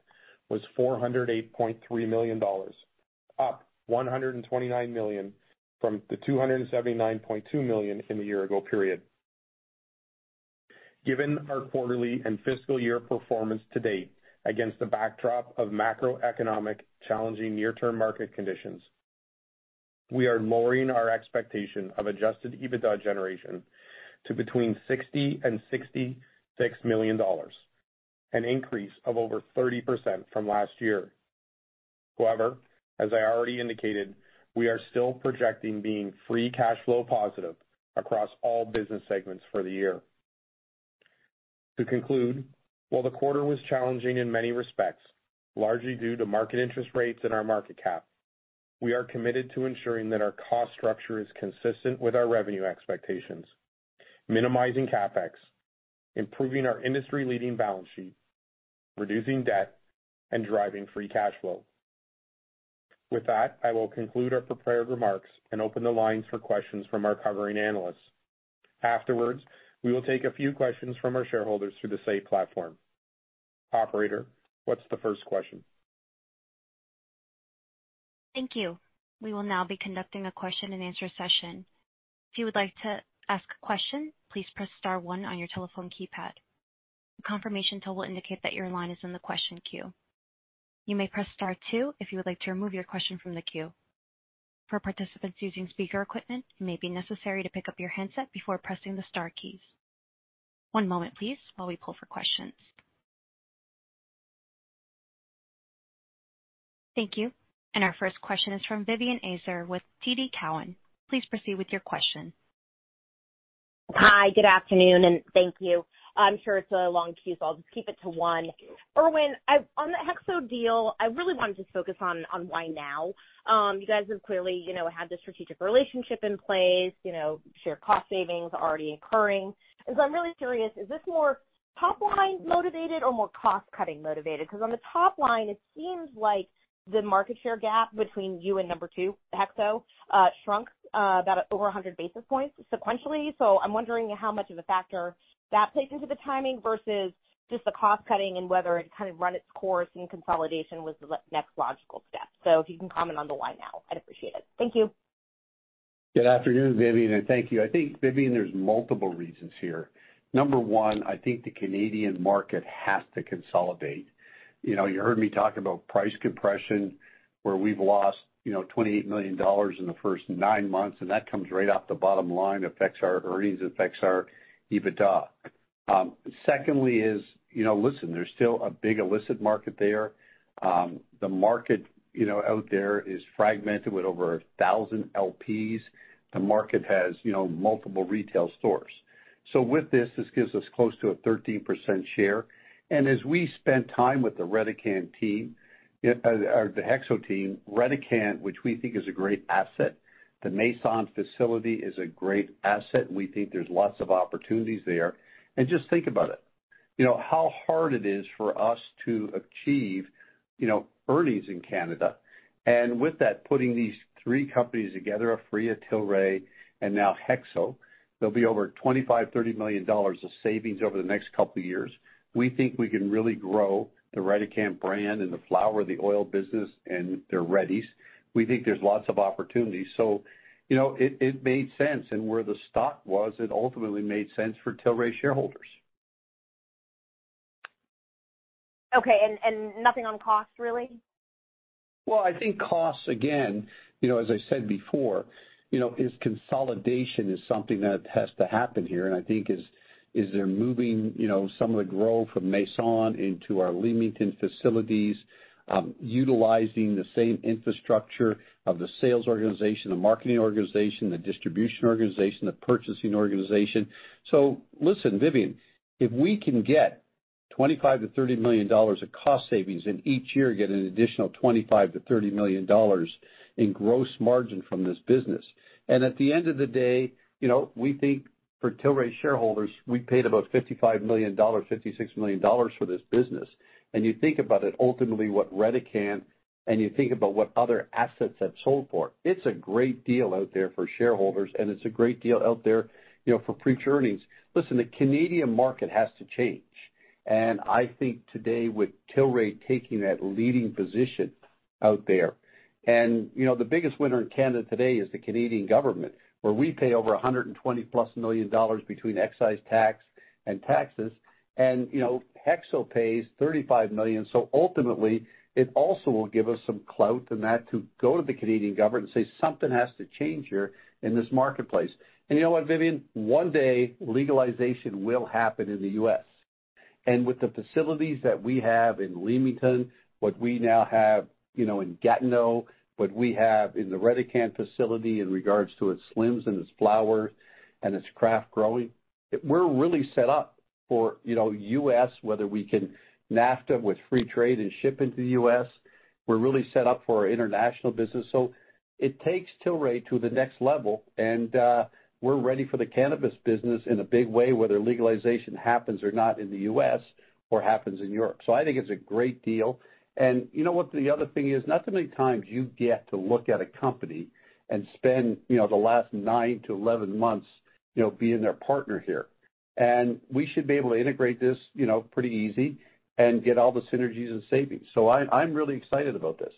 was $408.3 million, up $129 million from the $279.2 million in the year ago period. Given our quarterly and fiscal year performance to date against the backdrop of macroeconomic challenging near-term market conditions, we are lowering our expectation of adjusted EBITDA generation to between $60 million-$66 million, an increase of over 30% from last year. However, as I already indicated, we are still projecting being free cash flow positive across all business segments for the year. To conclude, while the quarter was challenging in many respects, largely due to market interest rates and our market cap, we are committed to ensuring that our cost structure is consistent with our revenue expectations, minimizing CapEx, improving our industry-leading balance sheet, reducing debt, and driving free cash flow. With that, I will conclude our prepared remarks and open the lines for questions from our covering analysts. Afterwards, we will take a few questions from our shareholders through the Say platform. Operator, what's the first question? Thank you. We will now be conducting a question and answer session. If you would like to ask a question, please press star one on your telephone keypad. A confirmation tone will indicate that your line is in the question queue. You may press star two if you would like to remove your question from the queue. For participants using speaker equipment, it may be necessary to pick up your handset before pressing the star keys. One moment please while we pull for questions. Thank you. Our first question is from Vivien Azer with TD Cowen. Please proceed with your question. Hi, good afternoon. Thank you. I'm sure it's a long queue, so I'll just keep it to one. Irwin, on the HEXO deal, I really want to just focus on why now. You guys have clearly, you know, had the strategic relationship in place. You know, shared cost savings already occurring. I'm really curious, is this more top-line motivated or more cost-cutting motivated? Because on the top line it seems like the market share gap between you and number two, HEXO, shrunk about over 100 basis points sequentially. I'm wondering how much of a factor that plays into the timing versus just the cost-cutting and whether it kind of run its course in consolidation was the next logical step. If you can comment on the why now, I'd appreciate it. Thank you. Good afternoon Vivian, and thank you. I think Vivian, there's multiple reasons here. Number one, I think the Canadian market has to consolidate. You heard me talk about price compression where we've lost, you know, $28 million in the first nine months, and that comes right off the bottom line, affects our earnings, affects our EBITDA. Secondly is, you know, listen, there's still a big illicit market there. The market, you know, out there is fragmented with over 1,000 LPs. The market has, you know, multiple retail stores. With this gives us close to a 13% share. As we spend time with the Redecan team, or the HEXO team, Redecan, which we think is a great asset, the Masson-Angers facility is a great asset, and we think there's lots of opportunities there. Just think about it. You know how hard it is for us to achieve, you know, earnings in Canada. With that, putting these three companies together, Aphria, Tilray, and now HEXO, there'll be over $25 million-$30 million of savings over the next couple of years. We think we can really grow the Redecan brand and the flower, the oil business, and their readies. We think there's lots of opportunities. You know, it made sense, and where the stock was, it ultimately made sense for Tilray shareholders. Okay. Nothing on cost, really? I think costs, again you know, as I said before, you know, is consolidation is something that has to happen here, and I think is they're moving, you know, some of the growth from Masson-Angers into our Leamington facilities, utilizing the same infrastructure of the sales organization, the marketing organization, the distribution organization, the purchasing organization. Listen Vivien, if we can get $25 million-$30 million of cost savings and each year get an additional $25 million-$30 million in gross margin from this business, and at the end of the day, you know, we think for Tilray shareholders, we paid about $55 million, $56 million for this business. You think about it, ultimately what Redecan and you think about what other assets have sold for, it's a great deal out there for shareholders, and it's a great deal out there, you know, for future earnings. Listen, the Canadian market has to change. I think today with Tilray taking that leading position out there, and, you know, the biggest winner in Canada today is the Canadian government, where we pay over 120+ million dollars between excise tax and taxes. You know, HEXO pays 35 million. Ultimately, it also will give us some clout in that to go to the Canadian government and say, something has to change here in this marketplace. You know what Vivien, one day, legalization will happen in the U.S. With the facilities that we have in Leamington, what we now have, you know, in Gatineau, what we have in the Redecan facility in regards to its slims and its flower and its craft growing, we're really set up for, you know, U.S., whether we can NAFTA with free trade and ship into the U.S. We're really set up for our international business. It takes Tilray to the next level, and we're ready for the cannabis business in a big way, whether legalization happens or not in the U.S. or happens in Europe. I think it's a great deal. You know what? The other thing is, not too many times you get to look at a company and spend, you know, the last 9-11 months, you know, being their partner here. We should be able to integrate this, you know, pretty easy and get all the synergies and savings. I'm really excited about this.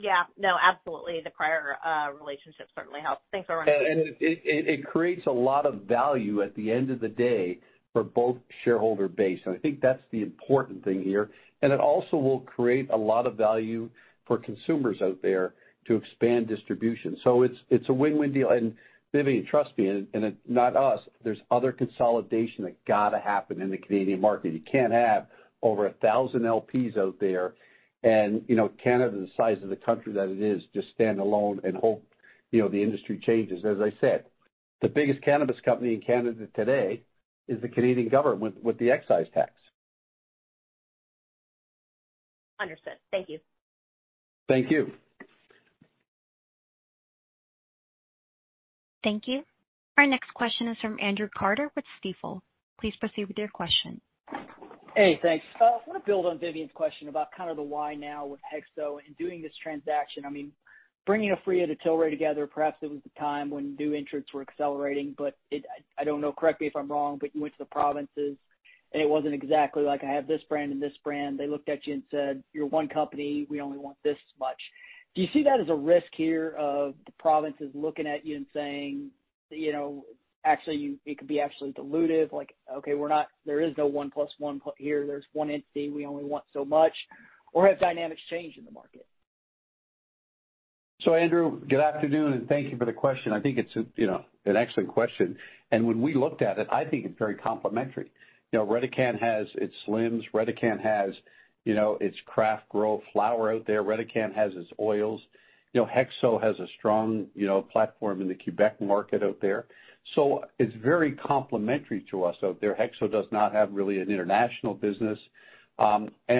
Yeah. No absolutely. The prior relationship certainly helps. Thanks a lot. It creates a lot of value at the end of the day for both shareholder base. I think that's the important thing here. It also will create a lot of value for consumers out there to expand distribution. It's a win-win deal. Vivien, trust me, and it's not us. There's other consolidation that gotta happen in the Canadian market. You can't have over 1,000 LPs out there and, you know, Canada, the size of the country that it is, just stand alone and hope, you know, the industry changes. As I said, the biggest cannabis company in Canada today is the Canadian government with the excise tax. Understood. Thank you. Thank you. Thank you. Our next question is from Andrew Carter with Stifel. Please proceed with your question. Hey, thanks. I want to build on Vivien's question about kind of the why now with HEXO and doing this transaction. I mean bringing Aphria to Tilray together, perhaps it was the time when new entrants were accelerating, but I don't know, correct me if I'm wrong, but you went to the provinces and it wasn't exactly like, I have this brand and this brand. They looked at you and said, "You're one company. We only want this much." Do you see that as a risk here of the provinces looking at you and saying, you know, actually, it could be actually dilutive? Like, okay, there is no one plus one here. There's one entity. We only want so much. Or have dynamics changed in the market? Andrew, good afternoon and thank you for the question. I think it's, you know, an excellent question. When we looked at it, I think it's very complementary. You know, Redecan has its slims. Redecan has, you know, its craft grow flower out there. Redecan has its oils. You know, HEXO has a strong, you know, platform in the Quebec market out there. It's very complementary to us out there. HEXO does not have really an international business. You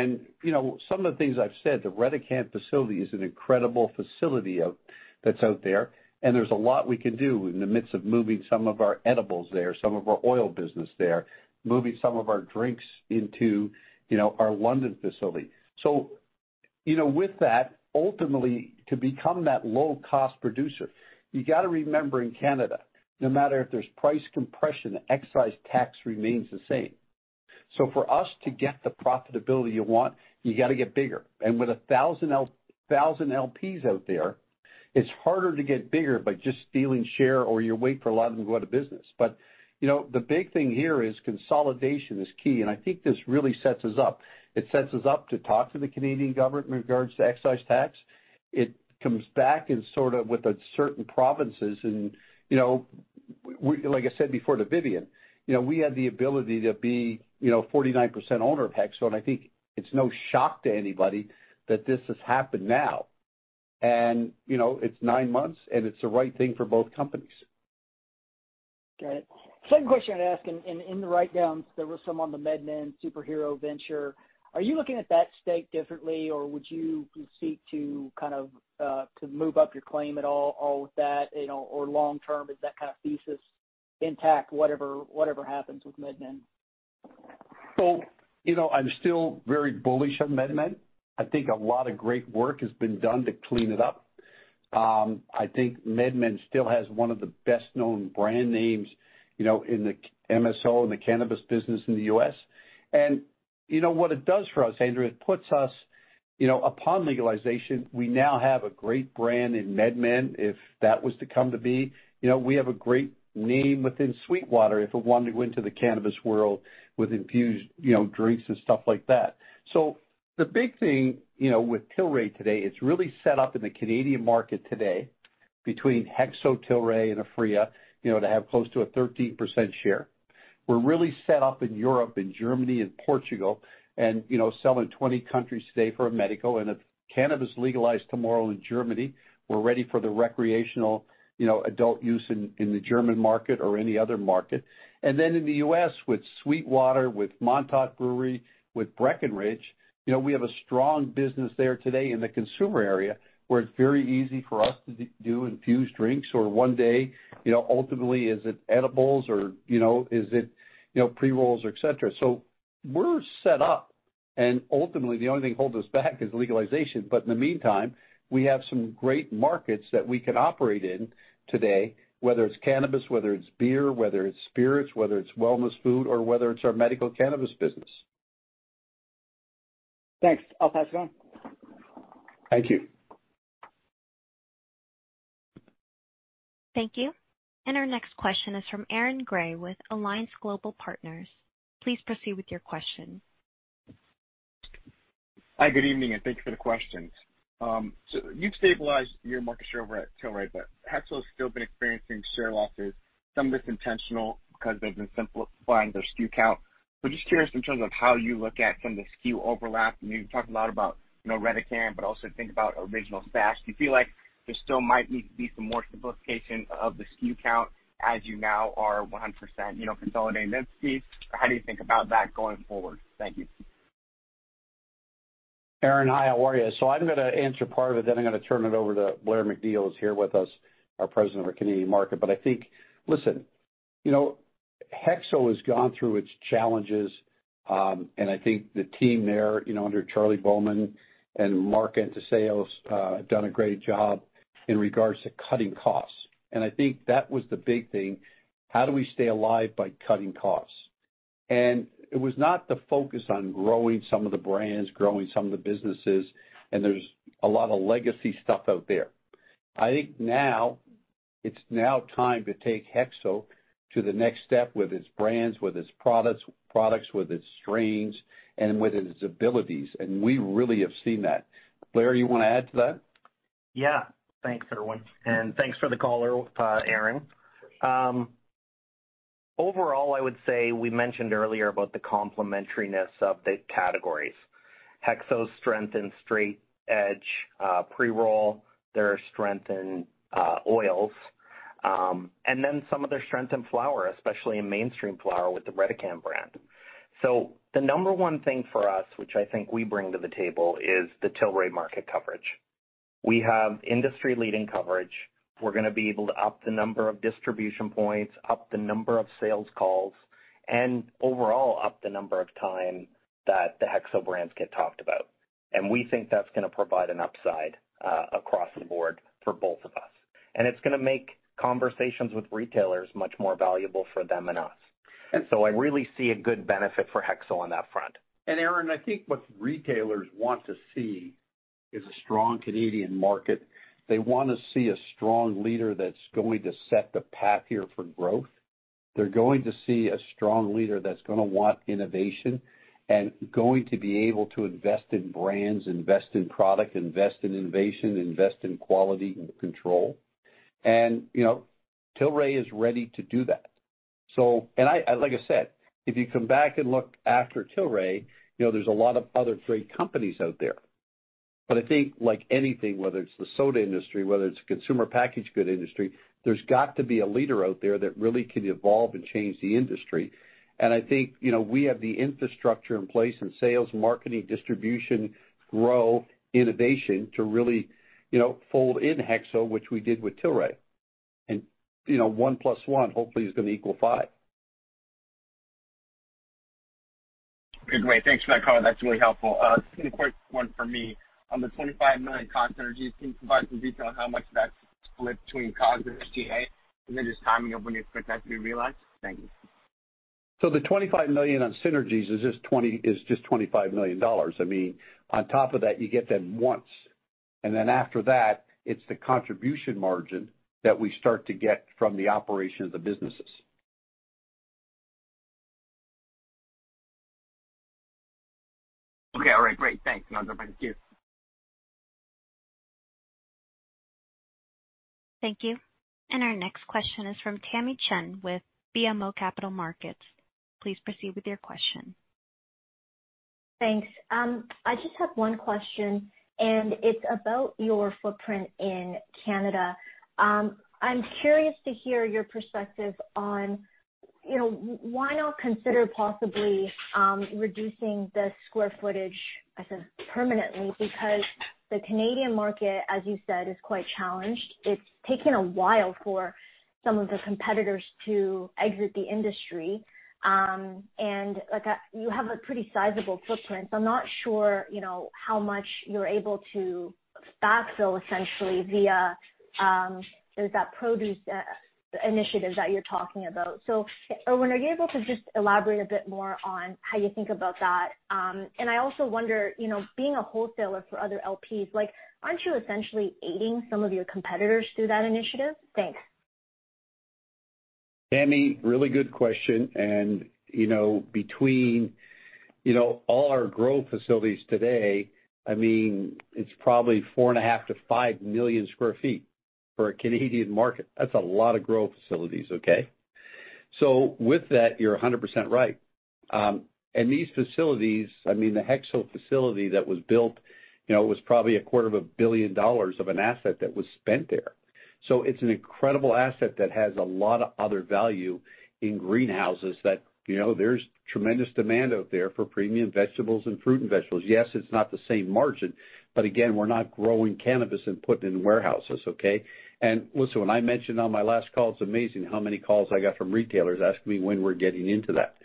know, some of the things I've said, the Redecan facility is an incredible facility out, that's out there, and there's a lot we can do in the midst of moving some of our edibles there, some of our oil business there, moving some of our drinks into, you know, our London facility. You know, with that, ultimately, to become that low cost producer, you gotta remember in Canada, no matter if there's price compression, the excise tax remains the same. For us to get the profitability you want, you gotta get bigger. With a thousand LPs out there, it's harder to get bigger by just stealing share, or you wait for a lot of them to go out of business. You know, the big thing here is consolidation is key, and I think this really sets us up. It sets us up to talk to the Canadian government in regards to excise tax. It comes back in sort of with the certain provinces. You know, like I said before to Vivien, you know, we had the ability to be, you know, 49% owner of HEXO, and I think it's no shock to anybody that this has happened now. You know, it's 9 months, and it's the right thing for both companies. Got it. Second question I'd ask, in the write-downs, there was some on the MedMen Superhero venture. Are you looking at that stake differently, or would you seek to kind of to move up your claim with that, you know? Long-term, is that kind of thesis intact, whatever happens with MedMen? You know, I'm still very bullish on MedMen. I think a lot of great work has been done to clean it up. I think MedMen still has one of the best-known brand names, you know, in the MSO, in the cannabis business in the U.S. You know what it does for us, Andrew? It puts us, you know, upon legalization, we now have a great brand in MedMen, if that was to come to be. You know, we have a great name within Sweetwater if it wanted to go into the cannabis world with infused, you know, drinks and stuff like that. The big thing, you know, with Tilray today, it's really set up in the Canadian market today between Hexo, Tilray and Aphria, you know, to have close to a 13% share. We're really set up in Europe, in Germany and Portugal, you know, sell in 20 countries today for a medical. If cannabis legalized tomorrow in Germany, we're ready for the recreational, you know, adult use in the German market or any other market. Then in the U.S. with SweetWater, with Montauk Brewery, with Breckenridge, you know, we have a strong business there today in the consumer area where it's very easy for us to do infused drinks. One day, you know, ultimately, is it edibles or, you know, is it, you know, pre-rolls or et cetera. We're set up and ultimately the only thing holding us back is legalization. In the meantime, we have some great markets that we can operate in today, whether it's cannabis, whether it's beer, whether it's spirits, whether it's wellness food, or whether it's our medical cannabis business. Thanks. I'll pass it on. Thank you. Thank you. Our next question is from Aaron Grey with Alliance Global Partners. Please proceed with your question. Hi, good evening and thanks for the questions. You've stabilized your market share over at Tilray but HEXO's still been experiencing share losses, some of this intentional because they've been simplifying their SKU count. Just curious in terms of how you look at some of the SKU overlap, and you can talk a lot about, you know, Redecan, but also think about Original Stash. Do you feel like there still might need to be some more simplification of the SKU count as you now are 100%, you know, consolidated entity? How do you think about that going forward? Thank you. Aaron, hi how are you? I'm gonna answer part of it then I'm gonna turn it over to Blair MacNeil is here with us, our President of our Canadian market. I think. Listen, you know, HEXO has gone through its challenges. I think the team there, you know, under Charlie Bowman and Mark into sales have done a great job in regards to cutting costs. I think that was the big thing. How do we stay alive by cutting costs? It was not the focus on growing some of the brands, growing some of the businesses. There's a lot of legacy stuff out there. I think now it's now time to take HEXO to the next step with its brands, with its products, with its strains and with its abilities. We really have seen that. Blair, you wanna add to that? Thanks, Irwin and thanks for the caller, Aaron. Overall, I would say we mentioned earlier about the complementariness of the categories. HEXO's strength in straight edge pre-roll, their strength in oils, and then some of their strength in flower, especially in mainstream flower with the Redecan brand. The number one thing for us, which I think we bring to the table, is the Tilray market coverage. We have industry-leading coverage. We're gonna be able to up the number of distribution points, up the number of sales calls, and overall up the number of time that the HEXO brands get talked about. We think that's gonna provide an upside, across the board for both of us. It's gonna make conversations with retailers much more valuable for them and us. I really see a good benefit for HEXO on that front. Aaron, I think what retailers want to see is a strong Canadian market. They want to see a strong leader that's going to set the path here for growth. They're going to see a strong leader that's gonna want innovation and going to be able to invest in brands, invest in product, invest in innovation, invest in quality and control. You know, Tilray is ready to do that. Like I said, if you come back and look after Tilray, you know, there's a lot of other great companies out there. I think like anything, whether it's the soda industry, whether it's consumer packaged goods industry, there's got to be a leader out there that really can evolve and change the industry. I think, you know, we have the infrastructure in place and sales, marketing, distribution, grow innovation to really, you know, fold in HEXO, which we did with Tilray. You know, one plus one hopefully is gonna equal five. Great. Thanks for that color. That's really helpful. A quick one for me. On the $25 million cost synergies, can you provide some detail on how much of that split between COGS and SG&A? Just timing of when you expect that to be realized? Thank you. The $25 million on synergies is just $25 million. I mean, on top of that, you get that once, and then after that it's the contribution margin that we start to get from the operation of the businesses. Okay. All right, great. Thanks. Have a good night. Cheers. Thank you. Our next question is from Tamy Chen with BMO Capital Markets. Please proceed with your question. Thanks. I just have one question and it's about your footprint in Canada. I'm curious to hear your perspective on, you know, why not consider possibly reducing the square footage, I said permanently, because the Canadian market, as you said, is quite challenged. It's taken a while for some of the competitors to exit the industry. Like you have a pretty sizable footprint, so I'm not sure, you know, how much you're able to backfill essentially via, there's that produce initiative that you're talking about. Irwin, are you able to just elaborate a bit more on how you think about that? I also wonder, you know, being a wholesaler for other LPs, like, aren't you essentially aiding some of your competitors through that initiative? Thanks. Amy, really good question. You know, between, you know, all our growth facilities today, I mean it's probably 4.5 million-5 million square feet for a Canadian market. That's a lot of growth facilities, okay? With that, you're 100% right. These facilities, I mean, the HEXO facility that was built, you know, was probably a quarter of a billion dollars of an asset that was spent there. It's an incredible asset that has a lot of other value in greenhouses that, you know, there's tremendous demand out there for premium vegetables and fruit and vegetables. Yes, it's not the same margin, but again, we're not growing cannabis and putting it in warehouses, okay? Listen, when I mentioned on my last call, it's amazing how many calls I got from retailers asking me when we're getting into that.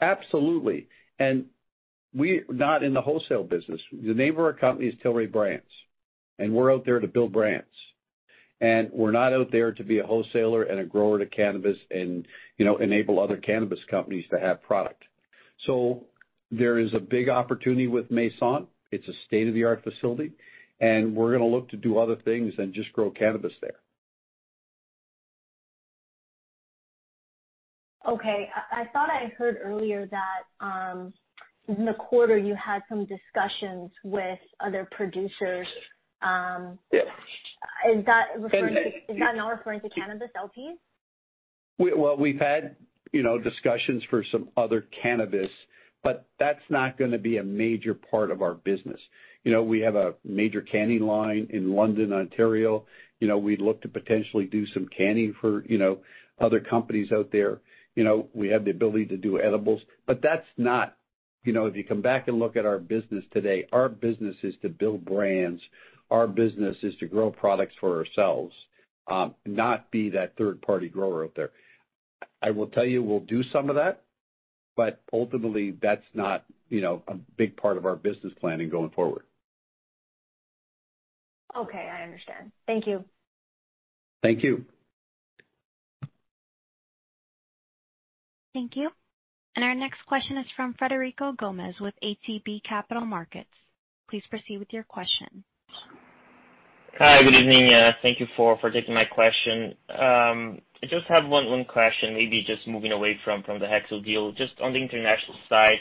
Absolutely. We're not in the wholesale business. The name of our company is Tilray Brands, and we're out there to build brands. We're not out there to be a wholesaler and a grower to cannabis and, you know, enable other cannabis companies to have product. There is a big opportunity with Masson-Angers. It's a state-of-the-art facility, and we're gonna look to do other things than just grow cannabis there. Okay. I thought I heard earlier that, in the quarter you had some discussions with other producers. Yes. Is that? And, uh - Is that not referring to cannabis LPs? Well, we've had, you know, discussions for some other cannabis but that's not gonna be a major part of our business. You know, we have a major canning line in London, Ontario. You know, we'd look to potentially do some canning for, you know, other companies out there. You know, we have the ability to do edibles. That's not, you know, if you come back and look at our business today, our business is to build brands. Our business is to grow products for ourselves, not be that third-party grower out there. I will tell you we'll do some of that but ultimately, that's not, you know, a big part of our business planning going forward. Okay. I understand. Thank you. Thank you. Thank you. Our next question is from Frederico Gomes with ATB Capital Markets. Please proceed with your question. Hi. Good evening. Thank you for taking my question. I just have one question, maybe just moving away from the HEXO deal. Just on the international side,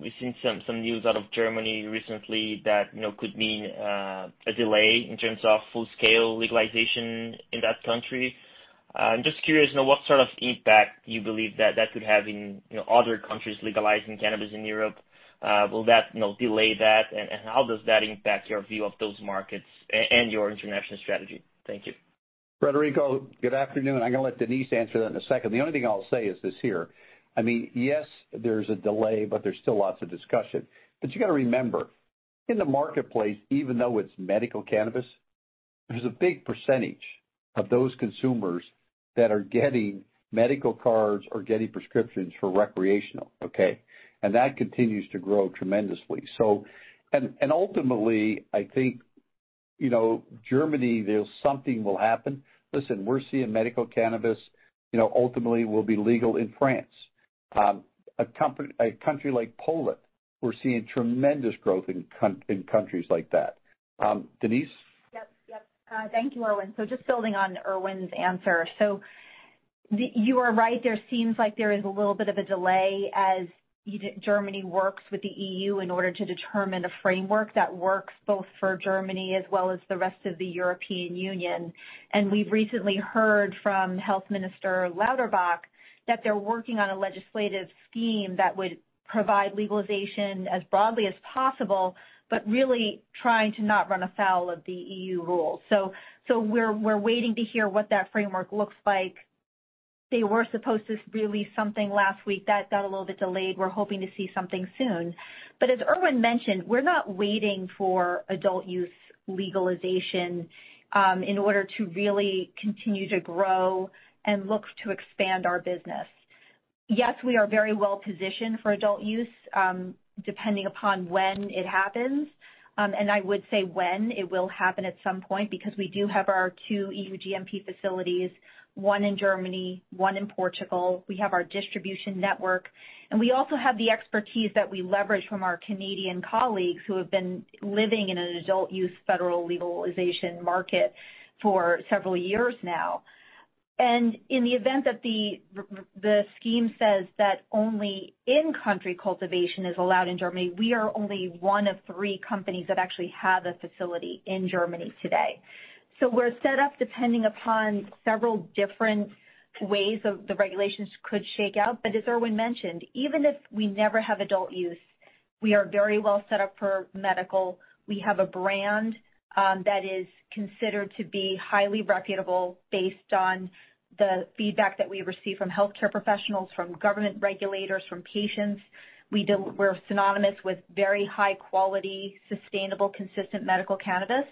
we've seen some news out of Germany recently that, you know, could mean a delay in terms of full-scale legalization in that country. I'm just curious, you know, what sort of impact you believe that could have in, you know, other countries legalizing cannabis in Europe. Will that, you know, delay that and how does that impact your view of those markets and your international strategy? Thank you. Frederico, good afternoon. I'm gonna let Denise answer that in a second. The only thing I'll say is this here. I mean, yes, there's a delay, but there's still lots of discussion. You gotta remember, in the marketplace, even though it's medical cannabis, there's a big percentage of those consumers that are getting medical cards or getting prescriptions for recreational, okay? That continues to grow tremendously. Ultimately, I think, you know Germany, there's something will happen. Listen, we're seeing medical cannabis, you know, ultimately will be legal in France. A country like Poland, we're seeing tremendous growth in countries like that. Denise? Yep. Yep. Thank you, Irwin. Just building on Irwin's answer, you are right, there seems like there is a little bit of a delay as Germany works with the EU in order to determine a framework that works both for Germany as well as the rest of the European Union. We've recently heard from Health Minister Lauterbach that they're working on a legislative scheme that would provide legalization as broadly as possible, but really trying to not run afoul of the EU rules. We're waiting to hear what that framework looks like. They were supposed to release something last week. That got a little bit delayed. We're hoping to see something soon. As Irwin mentioned, we're not waiting for adult use legalization in order to really continue to grow and look to expand our business. We are very well positioned for adult use, depending upon when it happens. I would say when it will happen at some point, because we do have our two EU GMP facilities, one in Germany, one in Portugal. We have our distribution network, and we also have the expertise that we leverage from our Canadian colleagues, who have been living in an adult use federal legalization market for several years now. In the event that the scheme says that only in-country cultivation is allowed in Germany, we are only one of three companies that actually have a facility in Germany today. We're set up depending upon several different ways of the regulations could shake out. As Irwin mentioned, even if we never have adult use, we are very well set up for medical. We have a brand that is considered to be highly reputable based on the feedback that we receive from healthcare professionals, from government regulators, from patients. We're synonymous with very high quality, sustainable, consistent medical cannabis.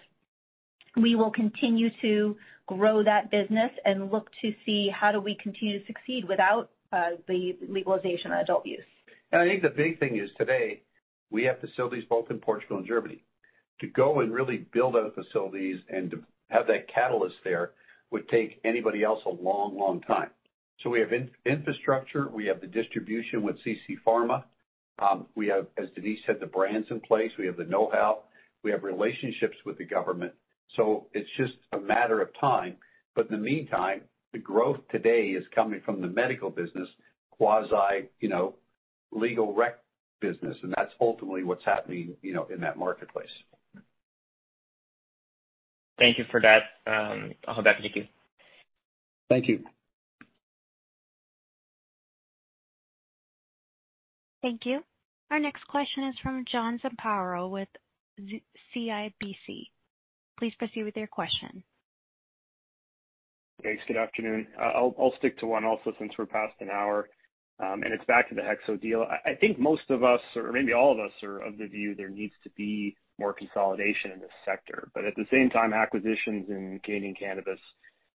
We will continue to grow that business and look to see how do we continue to succeed without the legalization of adult use. I think the big thing is today we have facilities both in Portugal and Germany. To go and really build out facilities and to have that catalyst there would take anybody else a long, long time. We have in-infrastructure, we have the distribution with CC Pharma. We have, as Denise said, the brands in place. We have the know-how, we have relationships with the government, it's just a matter of time. In the meantime, the growth today is coming from the medical business, quasi, you know, legal rec business, and that's ultimately what's happening, you know, in that marketplace. Thank you for that. I'll hand back to you. Thank you. Thank you. Our next question is from John Zamparo with CIBC. Please proceed with your question. Thanks. Good afternoon. I'll stick to one also since we're past an hour, and it's back to the HEXO deal. I think most of us, or maybe all of us, are of the view there needs to be more consolidation in this sector. At the same time, acquisitions in Canadian cannabis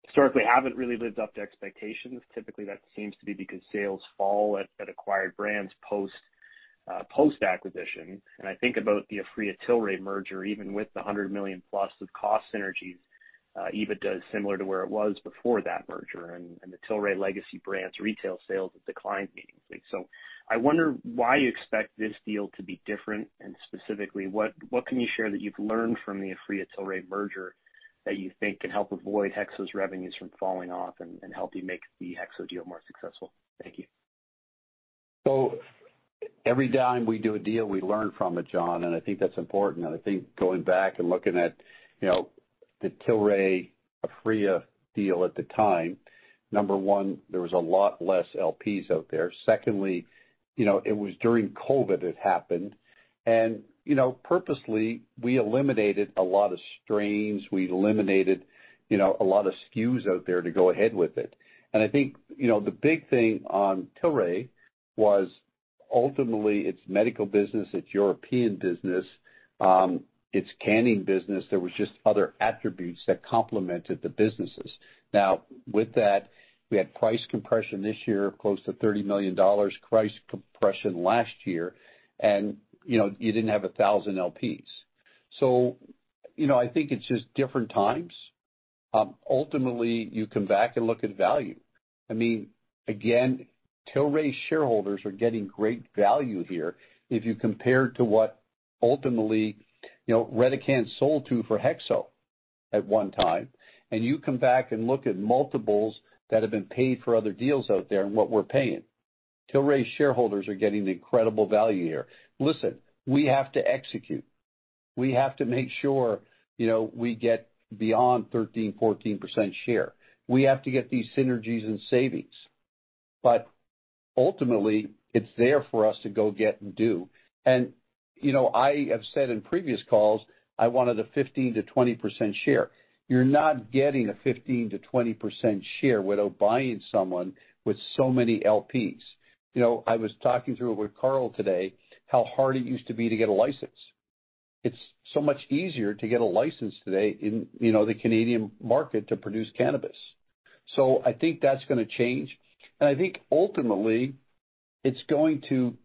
historically haven't really lived up to expectations. Typically, that seems to be because sales fall at acquired brands post post-acquisition. I think about the Aphria-Tilray merger, even with the $100 million-plus of cost synergies, EBITDA is similar to where it was before that merger and the Tilray legacy brands retail sales have declined meaningfully. I wonder why you expect this deal to be different, and specifically, what can you share that you've learned from the Aphria-Tilray merger that you think can help avoid HEXO's revenues from falling off and help you make the HEXO deal more successful? Thank you. Every time we do a deal, we learn from it John, and I think that's important. I think going back and looking at, you know, the Tilray-Aphria deal at the time, number one, there was a lot less LPs out there. Secondly, you know, it was during COVID it happened. Purposely, we eliminated a lot of strains. We eliminated, you know, a lot of SKUs out there to go ahead with it. I think, you know, the big thing on Tilray was ultimately its medical business, its European business, its canning business, there was just other attributes that complemented the businesses. With that, we had price compression this year of close to $30 million, price compression last year, and, you know, you didn't have 1,000 LPs. I think it's just different times. Ultimately, you come back and look at value. I mean, again Tilray shareholders are getting great value here if you compare to what ultimately, you know, Redecan sold to for HEXO at one time, and you come back and look at multiples that have been paid for other deals out there and what we're paying. Tilray shareholders are getting incredible value here. Listen, we have to execute. We have to make sure, you know, we get beyond 13%-14% share. We have to get these synergies and savings. ultimately, it's there for us to go get and do. you know, I have said in previous calls I wanted a 15%-20% share. You're not getting a 15%-20% share without buying someone with so many LPs. You know, I was talking through it with Carl today, how hard it used to be to get a license. It's so much easier to get a license today in, you know, the Canadian market to produce cannabis. I think that's gonna change. I think ultimately it's going to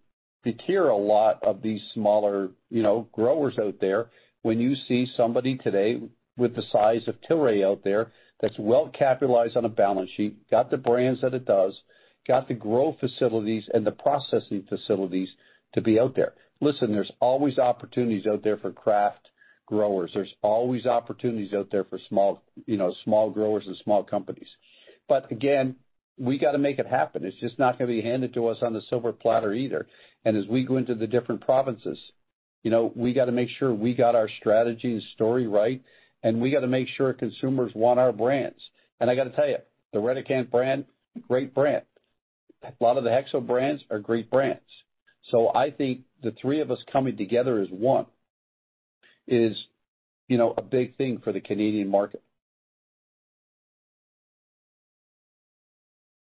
deter a lot of these smaller, you know, growers out there when you see somebody today with the size of Tilray out there that's well capitalized on a balance sheet, got the brands that it does, got the growth facilities and the processing facilities to be out there. Listen, there's always opportunities out there for craft growers. There's always opportunities out there for small, you know, small growers and small companies. Again, we gotta make it happen. It's just not gonna be handed to us on the silver platter either. As we go into the different provinces, you know, we gotta make sure we got our strategy and story right, and we gotta make sure consumers want our brands. I gotta tell you, the Redecan brand, great brand. A lot of the HEXO brands are great brands. I think the three of us coming together as one is, you know, a big thing for the Canadian market.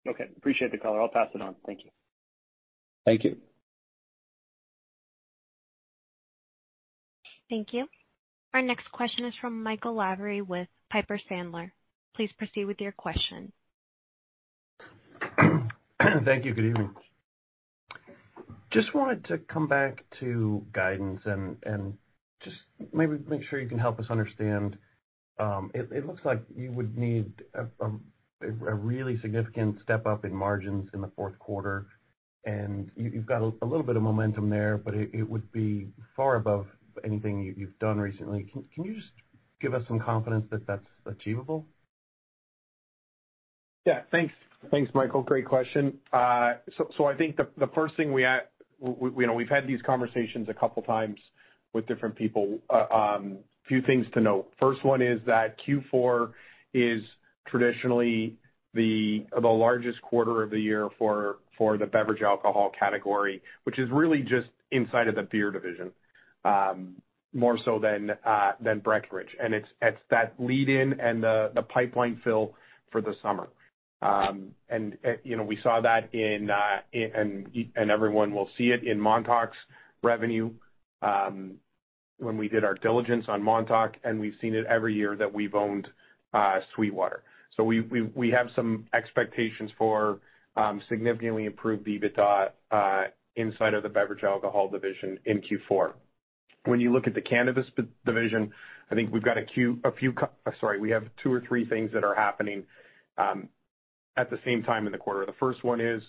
Okay. Appreciate the color. I'll pass it on. Thank you. Thank you. Thank you. Our next question is from Michael Lavery with Piper Sandler. Please proceed with your question. Thank you. Good evening. Just wanted to come back to guidance and just maybe make sure you can help us understand. It looks like you would need a really significant step-up in margins in the fourth quarter, and you've got a little bit of momentum there, but it would be far above anything you've done recently. Can you just give us some confidence that that's achievable? Yeah. Thanks. Thanks, Michael. Great question. I think the first thing, you know, we've had these conversations a couple times with different people. Few things to note. First one is that Q4 is traditionally the largest quarter of the year for the beverage alcohol category, which is really just inside of the beer division, more so than Breckenridge. It's that lead in and the pipeline fill for the summer. You know, we saw that in and everyone will see it in Montauk's revenue. We did our diligence on Montauk, and we've seen it every year that we've owned SweetWater. We have some expectations for significantly improved EBITDA inside of the beverage alcohol division in Q4. You look at the cannabis division, I think we've got sorry, we have two or three things that are happening at the same time in the quarter. The first one is,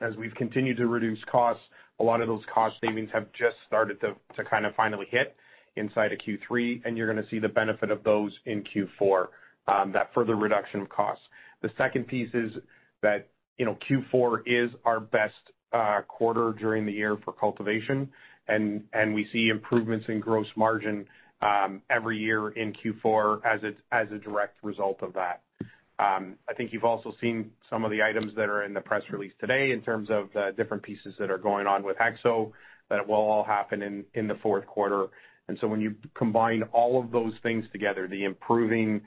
as we've continued to reduce costs, a lot of those cost savings have just started to kind of finally hit inside of Q3, you're gonna see the benefit of those in Q4 that further reduction of costs. The second piece is that, you know, Q4 is our best quarter during the year for cultivation. We see improvements in gross margin every year in Q4 as a direct result of that. I think you've also seen some of the items that are in the press release today in terms of the different pieces that are going on with HEXO, that it will all happen in the fourth quarter. When you combine all of those things together, the improving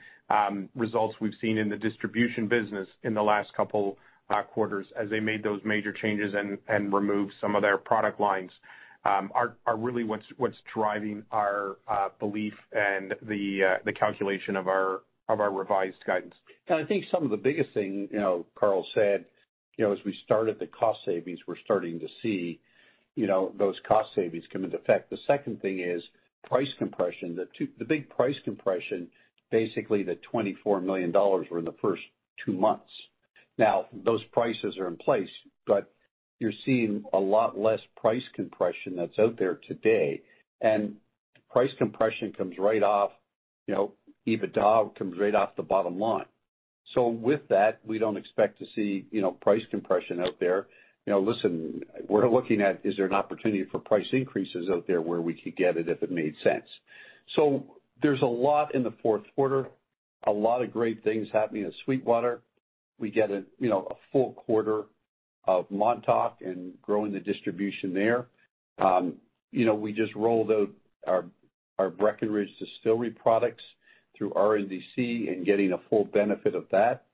results we've seen in the distribution business in the last couple quarters as they made those major changes and removed some of their product lines, are really what's driving our belief and the calculation of our revised guidance. I think some of the biggest thing, you know, Carl said, you know, as we started the cost savings, we're starting to see, you know, those cost savings come into effect. The second thing is price compression. The big price compression, basically the $24 million were in the first 2 months. Now those prices are in place, but you're seeing a lot less price compression that's out there today. Price compression comes right off, you know, EBITDA comes right off the bottom line. With that, we don't expect to see, you know, price compression out there. You know, listen, we're looking at is there an opportunity for price increases out there where we could get it if it made sense. There's a lot in the fourth quarter, a lot of great things happening at SweetWater. We get a, you know, a full quarter of Montauk and growing the distribution there. You know, we just rolled out our Breckenridge Distillery products through RNDC and getting a full benefit of that.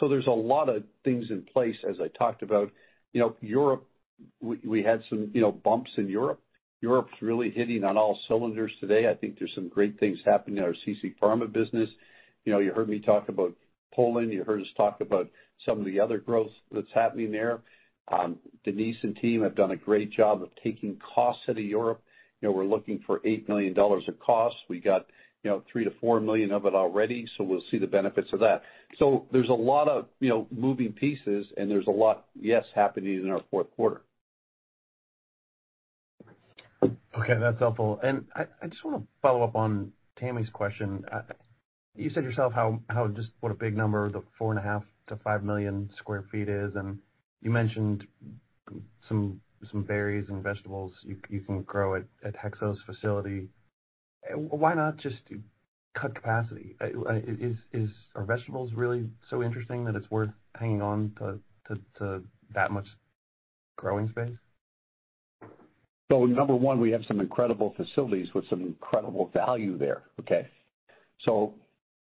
There's a lot of things in place as I talked about. You know, Europe, we had some, you know, bumps in Europe. Europe's really hitting on all cylinders today. I think there's some great things happening in our CC Pharma business. You know, you heard me talk about Poland, you heard us talk about some of the other growth that's happening there. Denise and team have done a great job of taking costs out of Europe. You know, we're looking for $8 million of costs. We got, you know, $3 million-$4 million of it already, we'll see the benefits of that. There's a lot of, you know, moving pieces, and there's a lot, yes, happening in our fourth quarter. Okay, that's helpful. I just wanna follow up on Tamy's question. You said yourself how just what a big number, the 4.5 million-5 million sq ft is, and you mentioned some berries and vegetables you can grow at Hexo's facility. Why not just cut capacity? Are vegetables really so interesting that it's worth hanging on to that much growing space? Number one, we have some incredible facilities with some incredible value there, okay?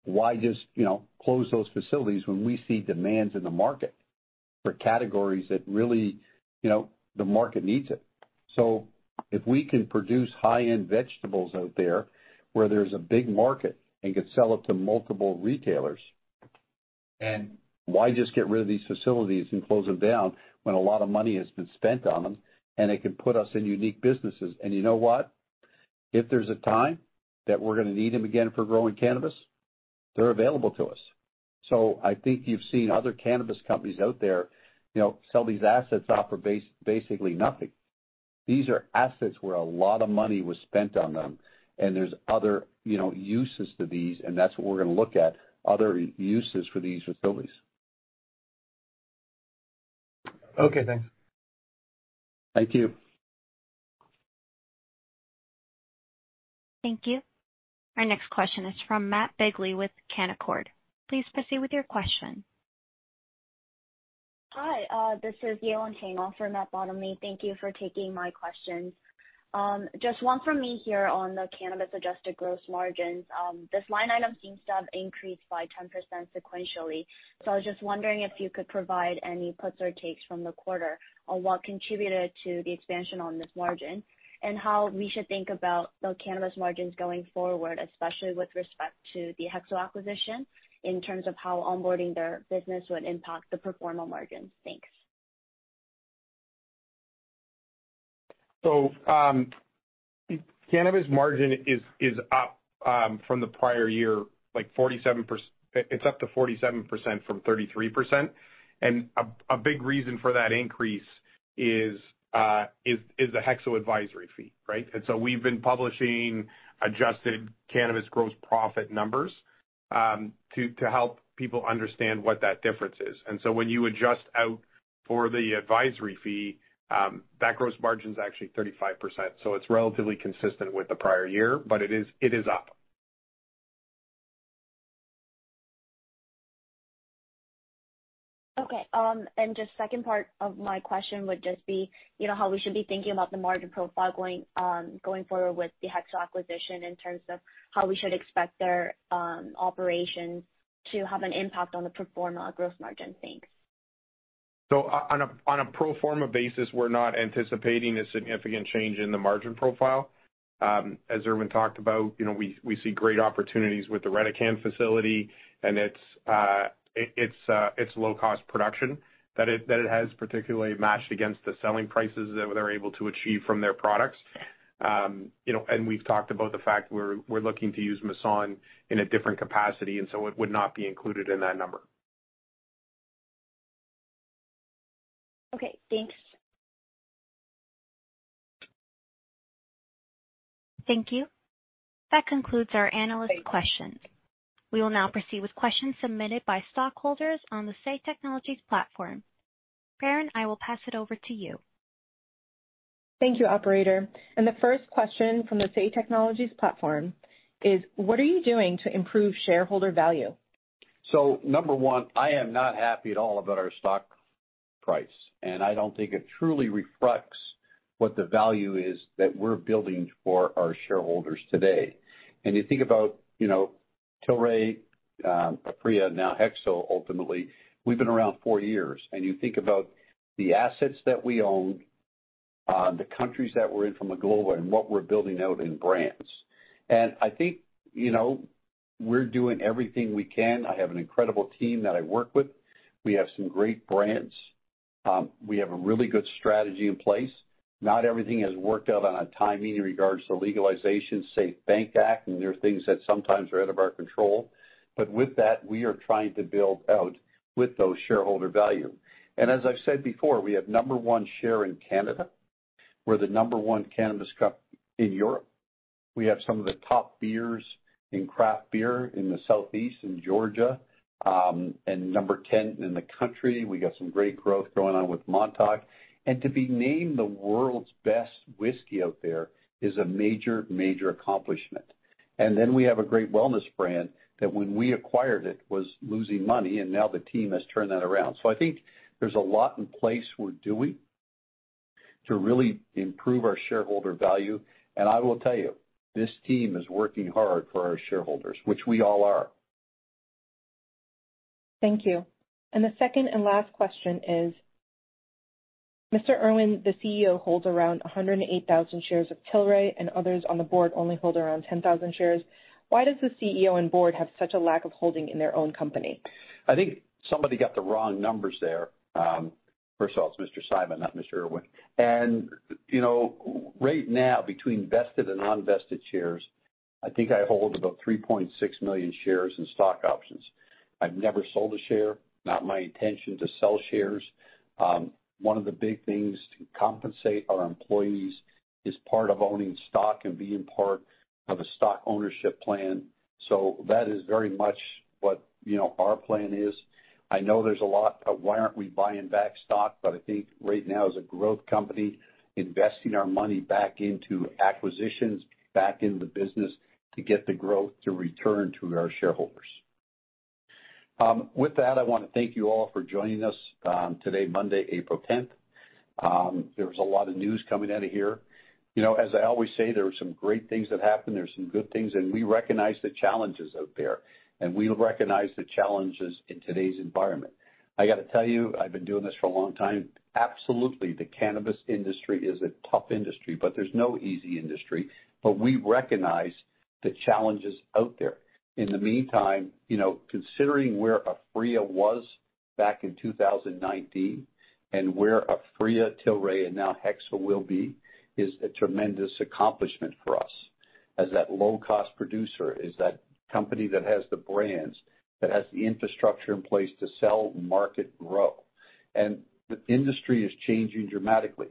Why just, you know, close those facilities when we see demands in the market for categories that really, you know, the market needs it? If we can produce high-end vegetables out there where there's a big market and can sell it to multiple retailers, and why just get rid of these facilities and close them down when a lot of money has been spent on them, and it can put us in unique businesses. You know what? If there's a time that we're gonna need them again for growing cannabis, they're available to us. I think you've seen other cannabis companies out there, you know, sell these assets off for basically nothing. These are assets where a lot of money was spent on them. There's other, you know, uses to these, and that's what we're gonna look at, other uses for these facilities. Okay, thanks. Thank you. Thank you. Our next question is from Matt Bottomley with Canaccord Genuity. Please proceed with your question. Hi, this is Yewon Kang off for Matt Bottomley. Thank you for taking my questions. Just one for me here on the cannabis adjusted gross margins. This line item seems to have increased by 10% sequentially. I was just wondering if you could provide any puts or takes from the quarter on what contributed to the expansion on this margin and how we should think about the cannabis margins going forward, especially with respect to the HEXO acquisition, in terms of how onboarding their business would impact the pro forma margins. Thanks. Cannabis margin is up from the prior year, like it's up to 47% from 33%. A big reason for that increase is the HEXO advisory fee, right? We've been publishing adjusted cannabis gross profit numbers to help people understand what that difference is. When you adjust out for the advisory fee, that gross margin's actually 35%. It's relatively consistent with the prior year, but it is up. Okay. Just second part of my question would just be, you know, how we should be thinking about the margin profile going forward with the HEXO acquisition in terms of how we should expect their operations to have an impact on the pro forma gross margin. Thanks. On a pro forma basis, we're not anticipating a significant change in the margin profile. As Irwin talked about, you know, we see great opportunities with the Redecan facility, and it's low-cost production that it has particularly matched against the selling prices that they're able to achieve from their products. You know, and we've talked about the fact we're looking to use Masson in a different capacity, and so it would not be included in that number. Okay, thanks. Thank you. That concludes our analyst questions. We will now proceed with questions submitted by stockholders on the Say Technologies platform. Berrin, I will pass it over to you. Thank you, operator. The first question from the SAY Technologies platform is: what are you doing to improve shareholder value? Number one, I am not happy at all about our stock price, and I don't think it truly reflects what the value is that we're building for our shareholders today. You think about, you know, Tilray, Aphria, now HEXO ultimately, we've been around four years. You think about the assets that we own, the countries that we're in from a global and what we're building out in brands. I think, you know, we're doing everything we can. I have an incredible team that I work with. We have some great brands. We have a really good strategy in place. Not everything has worked out on a timing in regards to legalization, SAFE Banking Act, and there are things that sometimes are out of our control. With that, we are trying to build out with those shareholder value. As I've said before, we have number one share in Canada. We're the number one cannabis cup in Europe. We have some of the top beers in craft beer in the Southeast in Georgia, and number 10 in the country. We got some great growth going on with Montauk. To be named the world's best whiskey out there is a major accomplishment. Then we have a great wellness brand that when we acquired it, was losing money, and now the team has turned that around. I think there's a lot in place we're doing to really improve our shareholder value. I will tell you, this team is working hard for our shareholders, which we all are. Thank you. The second and last question is: Mr. Irwin, the CEO holds around 108,000 shares of Tilray, and others on the board only hold around 10,000 shares. Why does the CEO and board have such a lack of holding in their own company? I think somebody got the wrong numbers there. First of all, it's Mr. Simon, not Mr. Irwin. You know, right now, between vested and non-vested shares, I think I hold about 3.6 million shares in stock options. I've never sold a share. Not my intention to sell shares. One of the big things to compensate our employees is part of owning stock and being part of a stock ownership plan. So that is very much what, you know, our plan is. I know there's a lot of why aren't we buying back stock, but I think right now as a growth company, investing our money back into acquisitions, back into the business to get the growth to return to our shareholders. With that, I wanna thank you all for joining us today, Monday, April 10th. There was a lot of news coming out of here. You know, as I always say, there are some great things that happen, there are some good things, and we recognize the challenges out there, and we recognize the challenges in today's environment. I gotta tell you, I've been doing this for a long time. Absolutely, the cannabis industry is a tough industry but there's no easy industry. We recognize the challenges out there. In the meantime, you know, considering where Aphria was back in 2019 and where Aphria, Tilray, and now HEXO will be is a tremendous accomplishment for us as that low-cost producer, as that company that has the brands, that has the infrastructure in place to sell, market, grow. The industry is changing dramatically.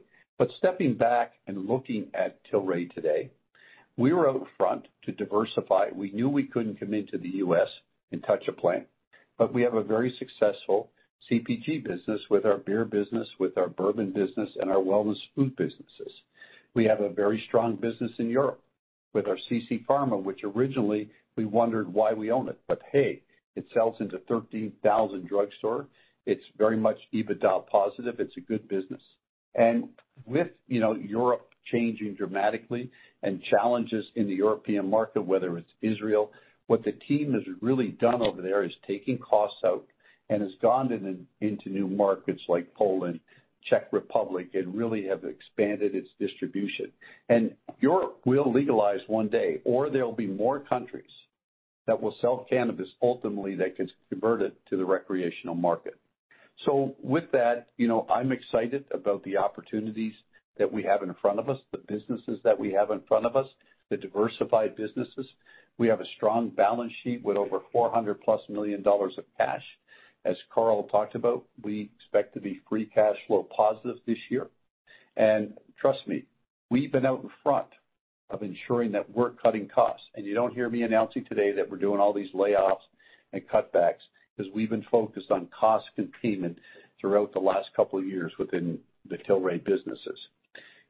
Stepping back and looking at Tilray today, we were out front to diversify. We knew we couldn't come into the U.S. and touch a plant. We have a very successful CPG business with our beer business, with our bourbon business, and our wellness food businesses. We have a very strong business in Europe with our CC Pharma, which originally we wondered why we own it. Hey, it sells into 13,000 drugstore. It's very much EBITDA positive. It's a good business. With, you know, Europe changing dramatically and challenges in the European market, whether it's Israel, what the team has really done over there is taking costs out and has gone into new markets like Poland, Czech Republic, and really have expanded its distribution. Europe will legalize one day, or there'll be more countries that will sell cannabis ultimately that gets converted to the recreational market. With that, you know, I'm excited about the opportunities that we have in front of us, the businesses that we have in front of us, the diversified businesses. We have a strong balance sheet with over $400+ million of cash. As Carl talked about, we expect to be free cash flow positive this year. Trust me, we've been out in front of ensuring that we're cutting costs. You don't hear me announcing today that we're doing all these layoffs and cutbacks because we've been focused on cost containment throughout the last couple of years within the Tilray businesses.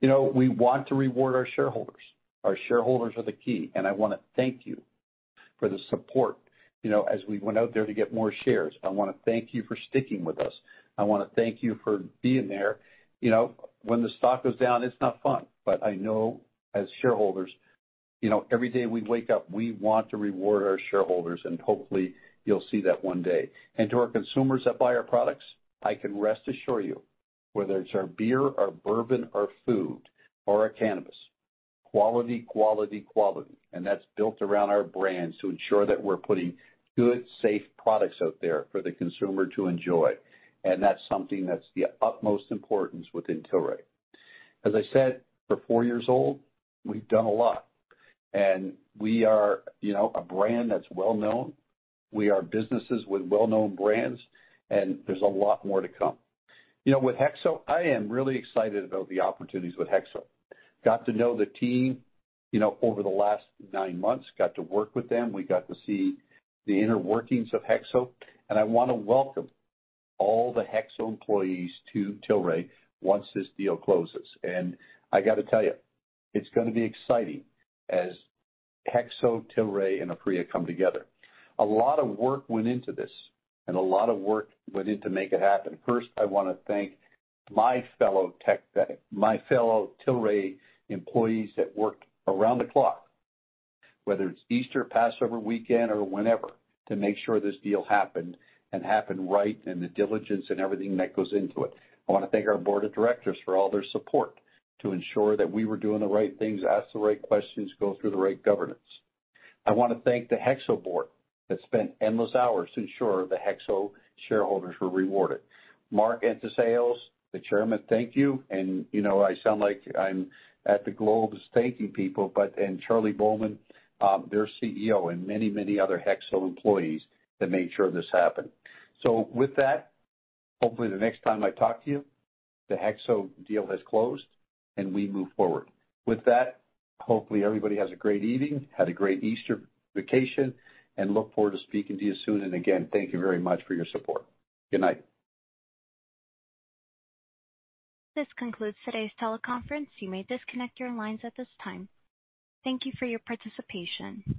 You know, we want to reward our shareholders. Our shareholders are the key, and I wanna thank you for the support, you know, as we went out there to get more shares. I wanna thank you for sticking with us. I wanna thank you for being there. You know, when the stock goes down, it's not fun, but I know as shareholders. You know, every day we wake up, we want to reward our shareholders and hopefully you'll see that one day. To our consumers that buy our products, I can rest assure you, whether it's our beer, our bourbon, our food, or our cannabis, quality, quality. That's built around our brands to ensure that we're putting good, safe products out there for the consumer to enjoy. That's something that's the utmost importance within Tilray. As I said, we're four years old, we've done a lot, and we are, you know, a brand that's well-known. We are businesses with well-known brands, there's a lot more to come. You know, with HEXO, I am really excited about the opportunities with HEXO. Got to know the team, you know, over the last nine months, got to work with them. We got to see the inner workings of HEXO. I wanna welcome all the HEXO employees to Tilray once this deal closes. I gotta tell you, it's gonna be exciting as HEXO, Tilray and Aphria come together. A lot of work went into this, and a lot of work went in to make it happen. First, I wanna thank my fellow Tilray employees that worked around the clock, whether it's Easter, Passover weekend or whenever, to make sure this deal happened and happened right, and the diligence and everything that goes into it. I wanna thank our board of directors for all their support to ensure that we were doing the right things, ask the right questions, go through the right governance. I wanna thank the HEXO board that spent endless hours to ensure the HEXO shareholders were rewarded. Mark and to sales, the Chairman, thank you. You know, I sound like I'm at the Globes thanking people. Charlie Bowman, their CEO, and many, many other HEXO employees that made sure this happened. With that, hopefully the next time I talk to you, the HEXO deal has closed and we move forward. With that, hopefully everybody has a great evening, had a great Easter vacation and look forward to speaking to you soon. Again, thank you very much for your support. Good night. This concludes today's teleconference. You may disconnect your lines at this time. Thank you for your participation.